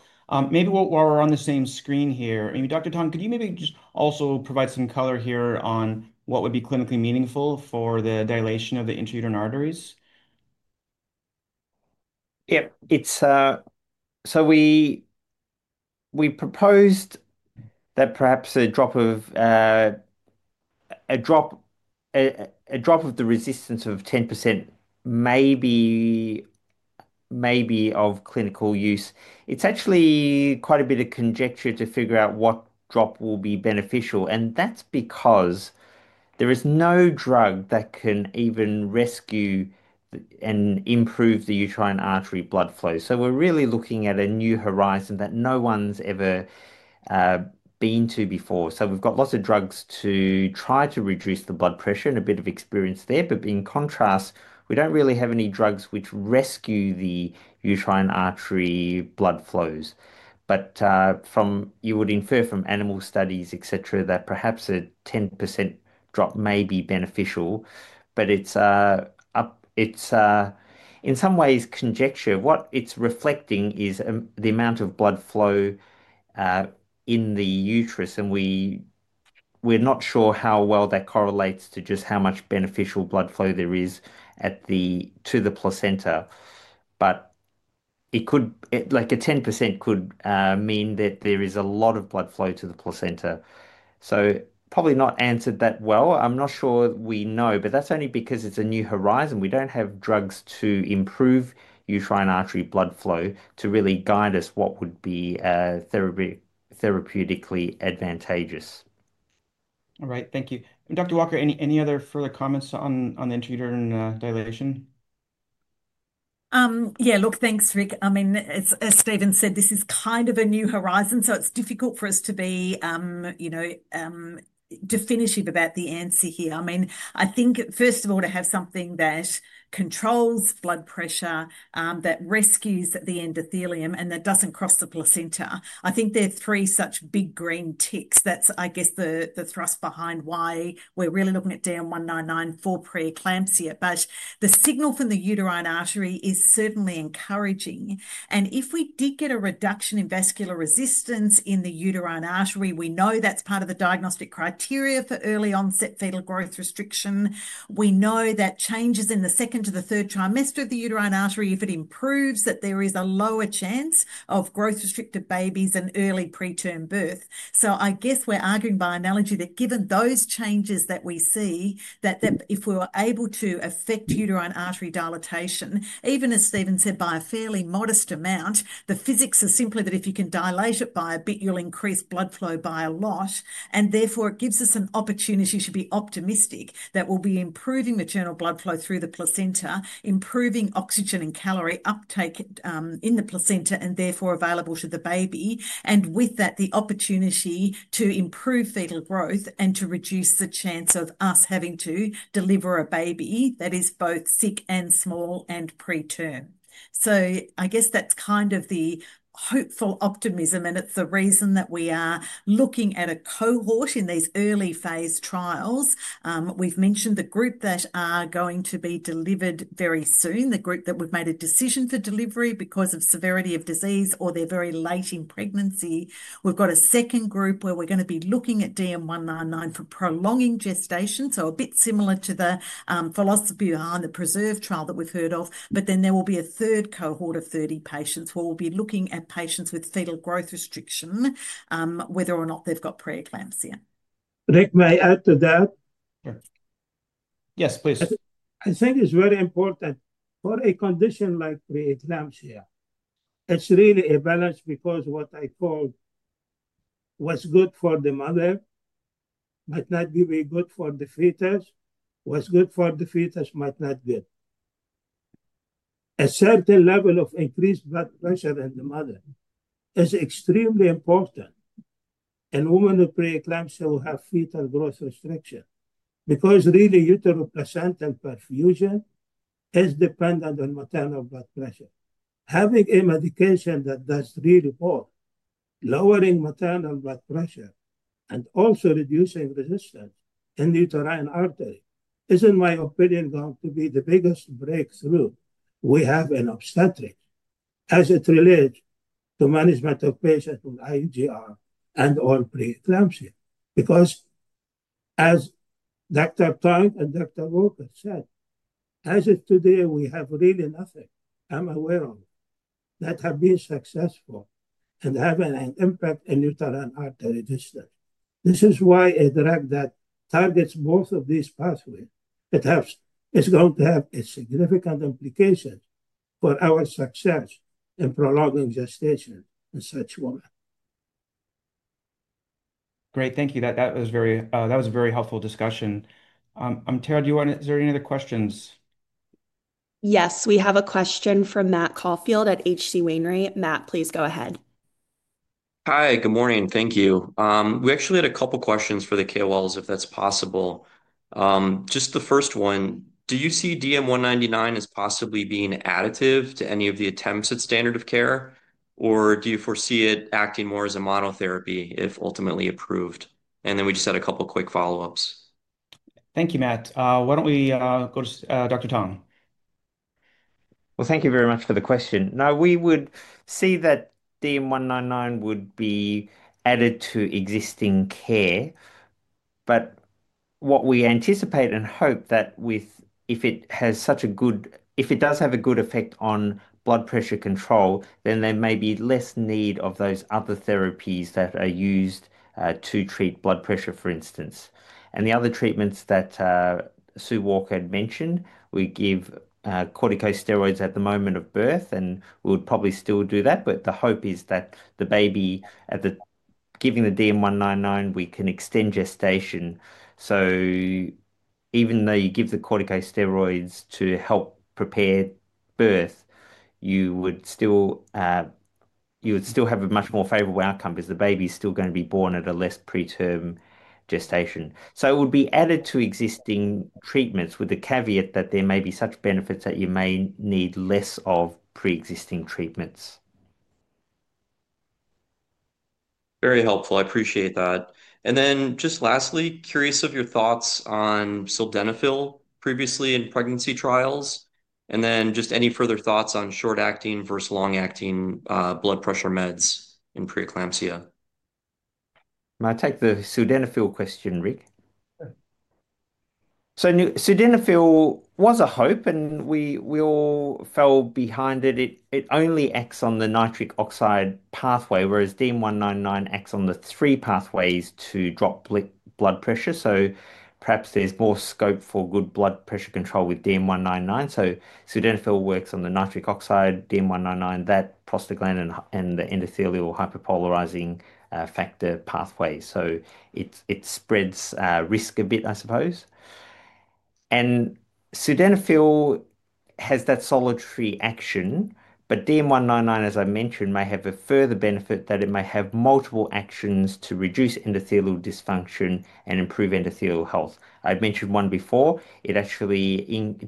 Maybe while we're on the same screen here, I mean, Dr. Tong, could you maybe just also provide some color here on what would be clinically meaningful for the dilation of the intrauterine arteries? Yep. We proposed that perhaps a drop of the resistance of 10% may be of clinical use. It's actually quite a bit of conjecture to figure out what drop will be beneficial. That's because there is no drug that can even rescue and improve the uterine artery blood flow. We're really looking at a new horizon that no one's ever been to before. We've got lots of drugs to try to reduce the blood pressure and a bit of experience there. In contrast, we don't really have any drugs which rescue the uterine artery blood flows. You would infer from animal studies, etc., that perhaps a 10% drop may be beneficial. It's, in some ways, conjecture. What it's reflecting is the amount of blood flow in the uterus. We're not sure how well that correlates to just how much beneficial blood flow there is to the placenta. Like a 10% could mean that there is a lot of blood flow to the placenta. Probably not answered that well. I'm not sure we know, but that's only because it's a new horizon. We don't have drugs to improve uterine artery blood flow to really guide us what would be therapeutically advantageous. All right. Thank you. Dr. Walker, any other further comments on the intrauterine dilation? Yeah. Look, thanks, Rick. I mean, as Stephen said, this is kind of a new horizon. It's difficult for us to be definitive about the answer here. I think, first of all, to have something that controls blood pressure, that rescues the endothelium, and that doesn't cross the placenta. I think there are three such big green ticks. That's, I guess, the thrust behind why we're really looking at DM199 for preeclampsia. The signal from the uterine artery is certainly encouraging. If we did get a reduction in vascular resistance in the uterine artery, we know that's part of the diagnostic criteria for early onset fetal growth restriction. We know that changes in the second to the third trimester of the uterine artery, if it improves, that there is a lower chance of growth-restricted babies and early preterm birth. I guess we're arguing by analogy that given those changes that we see, that if we were able to affect uterine artery dilatation, even as Stephen said, by a fairly modest amount, the physics is simply that if you can dilate it by a bit, you'll increase blood flow by a lot. Therefore, it gives us an opportunity to be optimistic that we'll be improving maternal blood flow through the placenta, improving oxygen and calorie uptake in the placenta, and therefore available to the baby. With that, the opportunity to improve fetal growth and to reduce the chance of us having to deliver a baby that is both sick and small and preterm. I guess that's kind of the hopeful optimism. It's the reason that we are looking at a cohort in these early phase trials. We've mentioned the group that are going to be delivered very soon, the group that we've made a decision for delivery because of severity of disease or they're very late in pregnancy. We've got a second group where we're going to be looking at DM199 for prolonging gestation. A bit similar to the philosophy behind the PRESERVE trial that we've heard of. There will be a third cohort of 30 patients where we'll be looking at patients with fetal growth restriction, whether or not they've got preeclampsia. Rick may I add to that? Yes, please. I think it's very important for a condition like preeclampsia. It's really a balance because what I called was good for the mother might not be very good for the fetus, what's good for the fetus might not be good. A certain level of increased blood pressure in the mother is extremely important in women with preeclampsia who have fetal growth restriction because really uteroplacental perfusion is dependent on maternal blood pressure. Having a medication that does really well, lowering maternal blood pressure and also reducing resistance in the uterine artery is, in my opinion, going to be the biggest breakthrough we have in obstetrics as it relates to management of patients with IUGR and/or preeclampsia. Because as Dr. Tong and Dr. Walker said, as of today, we have really nothing I'm aware of that have been successful and having an impact in uterine artery resistance. This is why a drug that targets both of these pathways, it is going to have a significant implication for our success in prolonging gestation in such women. Great. Thank you. That was a very helpful discussion. Tara, do you want to— is there any other questions? Yes, we have a question from Matt Caufield at H.C. Wainwright. Matt, please go ahead. Hi, good morning. Thank you. We actually had a couple of questions for the KOLs, if that's possible. Just the first one, do you see DM199 as possibly being additive to any of the attempts at standard of care, or do you foresee it acting more as a monotherapy if ultimately approved? And then we just had a couple of quick follow-ups. Thank you, Matt. Why don't we go to Dr. Tong? Thank you very much for the question. No, we would see that DM199 would be added to existing care. What we anticipate and hope is that if it has such a good— if it does have a good effect on blood pressure control, then there may be less need of those other therapies that are used to treat blood pressure, for instance. The other treatments that Sue Walker had mentioned, we give corticosteroids at the moment of birth, and we would probably still do that. The hope is that the baby, at giving the DM199, we can extend gestation. Even though you give the corticosteroids to help prepare birth, you would still have a much more favorable outcome because the baby is still going to be born at a less preterm gestation. It would be added to existing treatments with the caveat that there may be such benefits that you may need less of pre-existing treatments. Very helpful. I appreciate that. Lastly, curious of your thoughts on sildenafil previously in pregnancy trials. Any further thoughts on short-acting versus long-acting blood pressure meds in preeclampsia? I'm going to take the sildenafil question, Rick. Sildenafil was a hope, and we all fell behind it. It only acts on the nitric oxide pathway, whereas DM199 acts on the three pathways to drop blood pressure. Perhaps there's more scope for good blood pressure control with DM199. Sildenafil works on the nitric oxide, DM199, that prostaglandin, and the endothelial hyperpolarizing factor pathway. It spreads risk a bit, I suppose. Sildenafil has that solitary action. DM199, as I mentioned, may have a further benefit that it may have multiple actions to reduce endothelial dysfunction and improve endothelial health. I've mentioned one before. It actually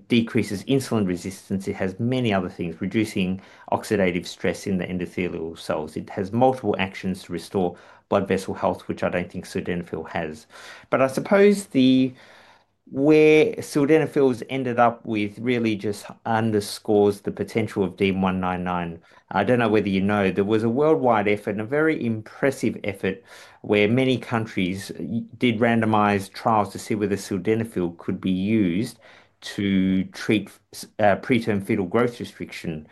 decreases insulin resistance. It has many other things, reducing oxidative stress in the endothelial cells. It has multiple actions to restore blood vessel health, which I don't think sildenafil has. Where sildenafil has ended up really just underscores the potential of DM199. I don't know whether you know. There was a worldwide effort, a very impressive effort, where many countries did randomized trials to see whether sildenafil could be used to treat preterm fetal growth restriction.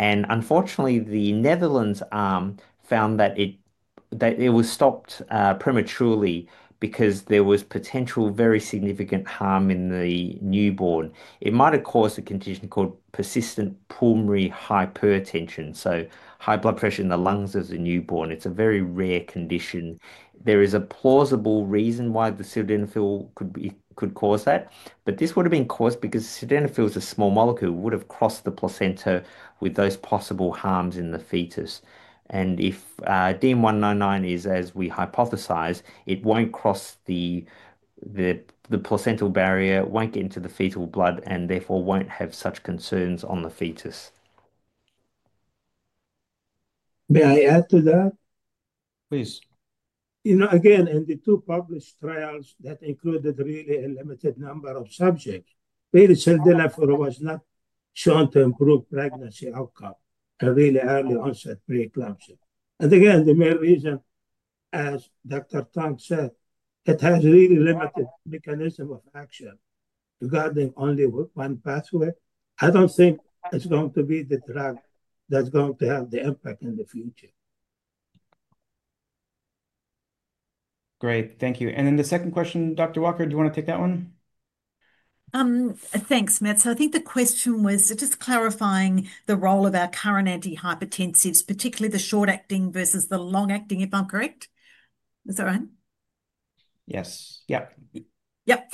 Unfortunately, the Netherlands found that it was stopped prematurely because there was potential very significant harm in the newborn. It might have caused a condition called persistent pulmonary hypertension, so high blood pressure in the lungs of the newborn. It's a very rare condition. There is a plausible reason why the sildenafil could cause that. This would have been caused because sildenafil is a small molecule, would have crossed the placenta with those possible harms in the fetus. If DM199 is, as we hypothesize, it won't cross the placental barrier, won't get into the fetal blood, and therefore won't have such concerns on the fetus. May I add to that? Please. Again, in the two published trials that included really a limited number of subjects, sildenafil was not shown to improve pregnancy outcome in really early onset preeclampsia. The main reason, as Dr. Tong said, is it has really limited mechanism of action regarding only one pathway. I do not think it is going to be the drug that is going to have the impact in the future. Great. Thank you. The second question, Dr. Walker, do you want to take that one? Thanks, Matt. I think the question was just clarifying the role of our current antihypertensives, particularly the short-acting versus the long-acting, if I am correct. Is that right? Yes. Yep. Yep.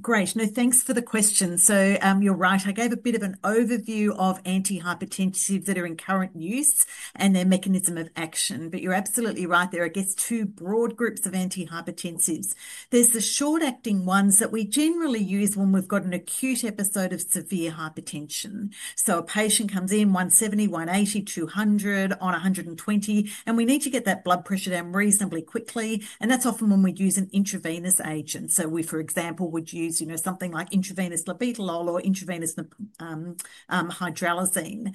Great. No, thanks for the question. You are right. I gave a bit of an overview of antihypertensives that are in current use and their mechanism of action. You are absolutely right. There are, I guess, two broad groups of antihypertensives. There's the short-acting ones that we generally use when we've got an acute episode of severe hypertension. A patient comes in 170, 180, 200, on 120, and we need to get that blood pressure down reasonably quickly. That's often when we use an intravenous agent. We, for example, would use something like intravenous labetalol or intravenous hydralazine.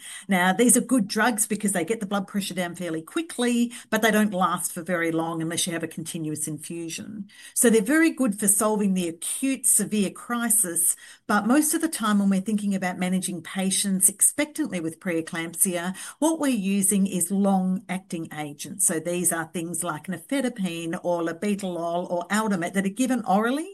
These are good drugs because they get the blood pressure down fairly quickly, but they do not last for very long unless you have a continuous infusion. They are very good for solving the acute severe crisis. Most of the time when we're thinking about managing patients expectantly with preeclampsia, what we're using is long-acting agents. These are things like nifedipine or labetalol or Aldomet that are given orally.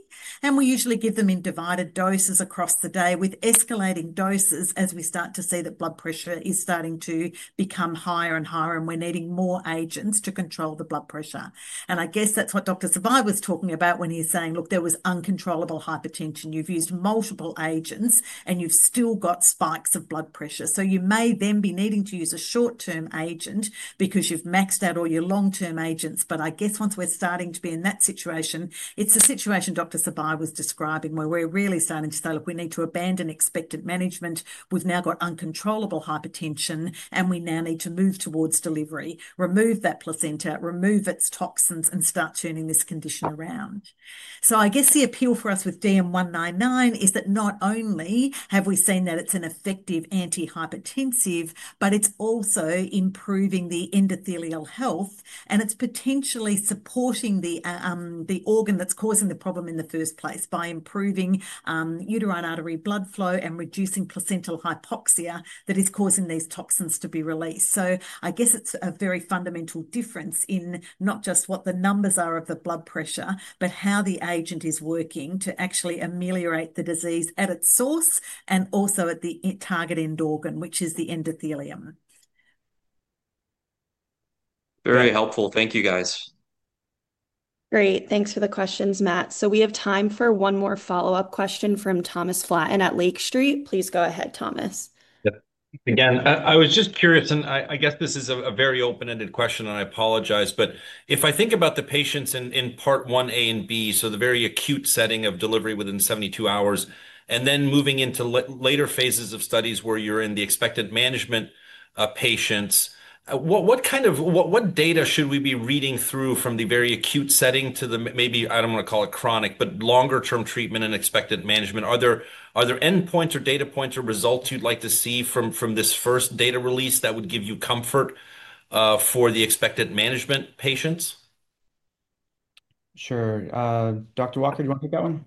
We usually give them in divided doses across the day with escalating doses as we start to see that blood pressure is starting to become higher and higher, and we're needing more agents to control the blood pressure. I guess that's what Dr. Sibai was talking about when he's saying, "Look, there was uncontrollable hypertension. You've used multiple agents, and you've still got spikes of blood pressure." You may then be needing to use a short-term agent because you've maxed out all your long-term agents. I guess once we're starting to be in that situation, it's a situation Dr. Sibai was describing where we're really starting to say, "Look, we need to abandon expectant management. We've now got uncontrollable hypertension, and we now need to move towards delivery, remove that placenta, remove its toxins, and start turning this condition around. I guess the appeal for us with DM199 is that not only have we seen that it's an effective antihypertensive, but it's also improving the endothelial health, and it's potentially supporting the organ that's causing the problem in the first place by improving uterine artery blood flow and reducing placental hypoxia that is causing these toxins to be released. I guess it's a very fundamental difference in not just what the numbers are of the blood pressure, but how the agent is working to actually ameliorate the disease at its source and also at the target end organ, which is the endothelium. Very helpful. Thank you, guys. Great. Thanks for the questions, Matt. We have time for one more follow-up question from Thomas Flaten at Lake Street. Please go ahead, Thomas. Yep. Again, I was just curious, and I guess this is a very open-ended question, and I apologize. If I think about the patients Part 1A and 1B, so the very acute setting of delivery within 72 hours, and then moving into later phases of studies where you are in the expected management patients, what kind of data should we be reading through from the very acute setting to the maybe, I do not want to call it chronic, but longer-term treatment and expected management? Are there endpoints or data points or results you would like to see from this first data release that would give you comfort for the expected management patients? Sure. Dr. Walker, do you want to take that one?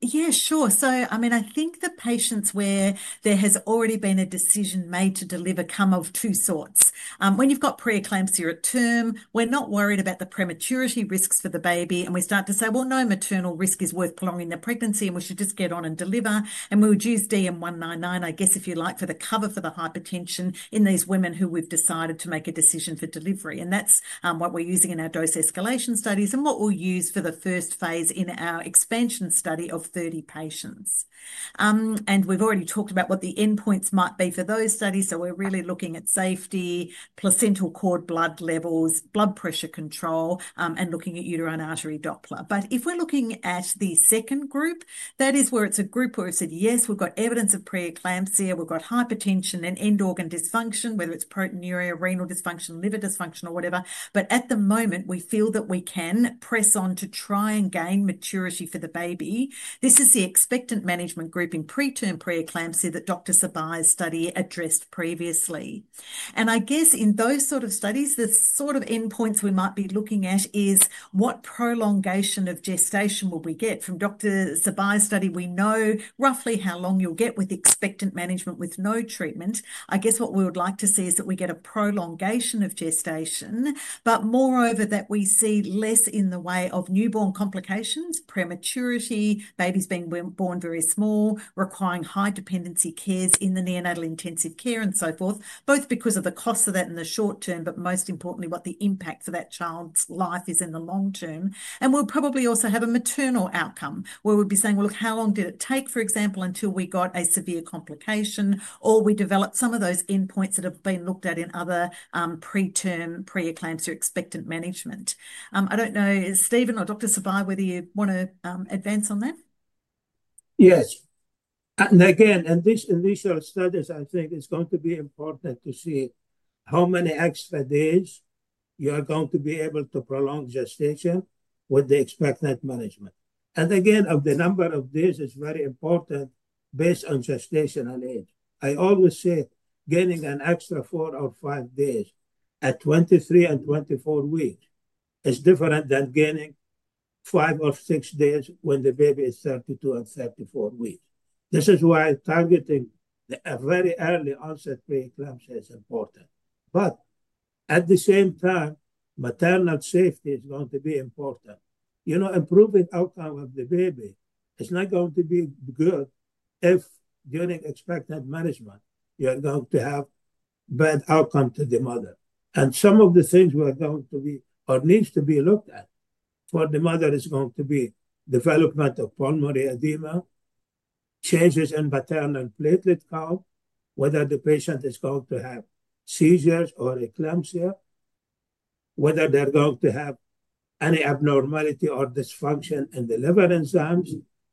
Yeah, sure. I mean, I think the patients where there has already been a decision made to deliver come of two sorts. When you've got preeclampsia at term, we're not worried about the prematurity risks for the baby. We start to say, "Well, no maternal risk is worth prolonging the pregnancy, and we should just get on and deliver." We would use DM199, I guess, if you like, for the cover for the hypertension in these women who we've decided to make a decision for delivery. That's what we're using in our dose escalation studies and what we'll use for the first phase in our expansion study of 30 patients. We've already talked about what the endpoints might be for those studies. We're really looking at safety, placental cord blood levels, blood pressure control, and looking at uterine artery Doppler. If we're looking at the second group, that is where it's a group where we've said, "Yes, we've got evidence of preeclampsia. We've got hypertension and end-organ dysfunction, whether it's proteinuria, renal dysfunction, liver dysfunction, or whatever." At the moment, we feel that we can press on to try and gain maturity for the baby. This is the expectant management group in preterm preeclampsia that Dr. Sibai's study addressed previously. I guess in those sort of studies, the sort of endpoints we might be looking at is what prolongation of gestation will we get from Dr. Sibai's study. We know roughly how long you'll get with expectant management with no treatment. I guess what we would like to see is that we get a prolongation of gestation, but moreover that we see less in the way of newborn complications, prematurity, babies being born very small, requiring high-dependency cares in the neonatal intensive care and so forth, both because of the cost of that in the short term, but most importantly, what the impact for that child's life is in the long term. We will probably also have a maternal outcome where we will be saying, "Look, how long did it take, for example, until we got a severe complication?" Or we develop some of those endpoints that have been looked at in other preterm preeclampsia expectant management. I do not know, Stephen or Dr. Sibai, whether you want to advance on that? Yes. In these sort of studies, I think it's going to be important to see how many extra days you are going to be able to prolong gestation with the expectant management. The number of days is very important based on gestational age. I always say gaining an extra four or five days at 23 and 24 weeks is different than gaining five or six days when the baby is 32 and 34 weeks. This is why targeting a very early onset preeclampsia is important. At the same time, maternal safety is going to be important. Improving outcome of the baby is not going to be good if during expectant management, you are going to have bad outcome to the mother. Some of the things we are going to be or need to be looked at for the mother are going to be development of pulmonary edema, changes in maternal platelet count, whether the patient is going to have seizures or eclampsia, whether they are going to have any abnormality or dysfunction in the liver enzymes,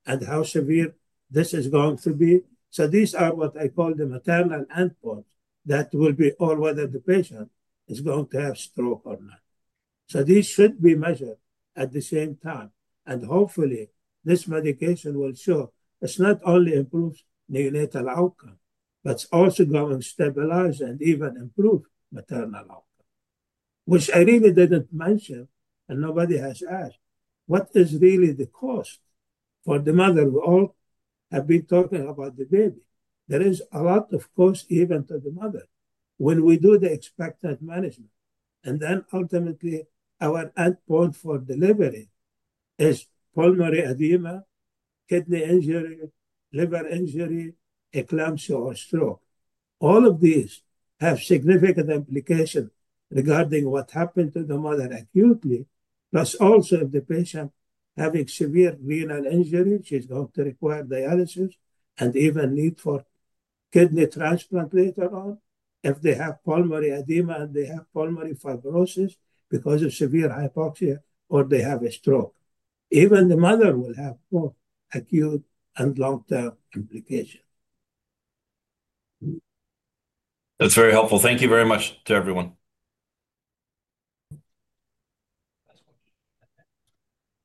and how severe this is going to be. These are what I call the maternal endpoints that will be all whether the patient is going to have stroke or not. These should be measured at the same time. Hopefully, this medication will show it not only improves neonatal outcome, but it is also going to stabilize and even improve maternal outcome, which I really did not mention, and nobody has asked, what is really the cost for the mother who all have been talking about the baby? There is a lot, of course, even to the mother when we do the expected management. Then ultimately, our endpoint for delivery is pulmonary edema, kidney injury, liver injury, eclampsia, or stroke. All of these have significant implications regarding what happened to the mother acutely, plus also if the patient is having severe renal injury, she's going to require dialysis and even need for kidney transplant later on if they have pulmonary edema and they have pulmonary fibrosis because of severe hypoxia or they have a stroke. Even the mother will have both acute and long-term implications. That's very helpful. Thank you very much to everyone.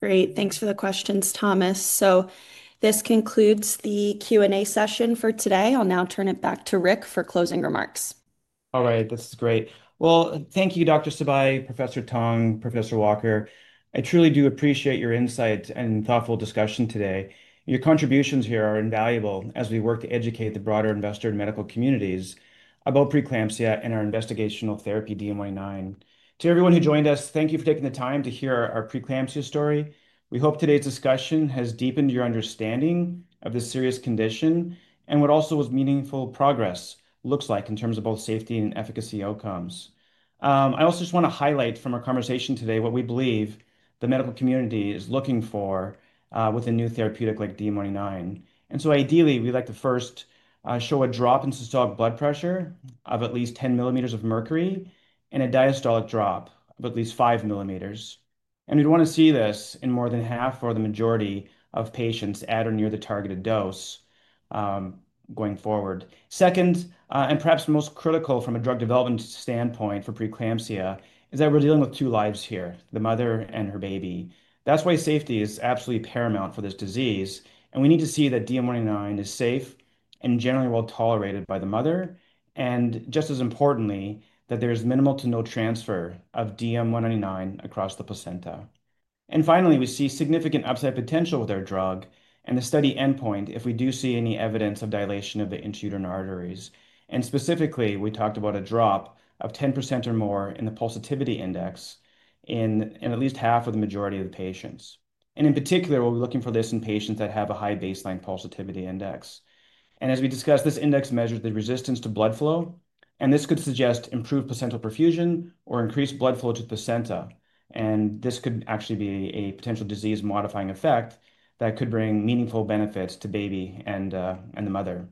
Great. Thanks for the questions, Thomas. This concludes the Q&A session for today. I'll now turn it back to Rick for closing remarks. All right. This is great. Thank you, Dr. Sibai, Professor Tong, Professor Walker. I truly do appreciate your insight and thoughtful discussion today. Your contributions here are invaluable as we work to educate the broader investor and medical communities about preeclampsia and our investigational therapy, DM199. To everyone who joined us, thank you for taking the time to hear our preeclampsia story. We hope today's discussion has deepened your understanding of this serious condition and what also was meaningful progress looks like in terms of both safety and efficacy outcomes. I also just want to highlight from our conversation today what we believe the medical community is looking for with a new therapeutic like DM199. Ideally, we'd like to first show a drop in systolic blood pressure of at least 10 mm of mercury and a diastolic drop of at least 5 mm. We'd want to see this in more than half or the majority of patients at or near the targeted dose going forward. Second, and perhaps most critical from a drug development standpoint for preeclampsia, is that we're dealing with two lives here, the mother and her baby. That's why safety is absolutely paramount for this disease. We need to see that DM199 is safe and generally well tolerated by the mother. Just as importantly, there is minimal to no transfer of DM199 across the placenta. Finally, we see significant upside potential with our drug and the study endpoint if we do see any evidence of dilation of the intrauterine arteries. Specifically, we talked about a drop of 10% or more in the pulsatility index in at least half or the majority of the patients. In particular, we're looking for this in patients that have a high baseline pulsatility index. As we discussed, this index measures the resistance to blood flow. This could suggest improved placental perfusion or increased blood flow to the placenta. This could actually be a potential disease-modifying effect that could bring meaningful benefits to baby and the mother.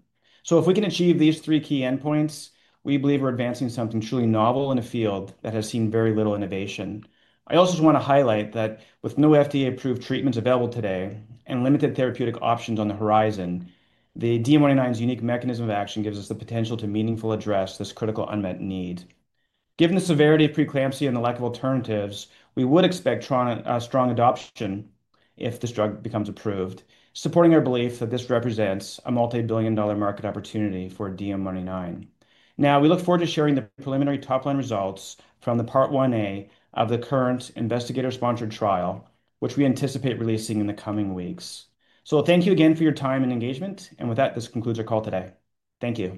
If we can achieve these three key endpoints, we believe we're advancing something truly novel in a field that has seen very little innovation. I also just want to highlight that with no FDA-approved treatments available today and limited therapeutic options on the horizon, DM199's unique mechanism of action gives us the potential to meaningfully address this critical unmet need. Given the severity of preeclampsia and the lack of alternatives, we would expect strong adoption if this drug becomes approved, supporting our belief that this represents a multi-billion dollar market opportunity for DM199. Now, we look forward to sharing the preliminary top-line results from Part 1A of the current investigator-sponsored trial, which we anticipate releasing in the coming weeks. Thank you again for your time and engagement. With that, this concludes our call today. Thank you.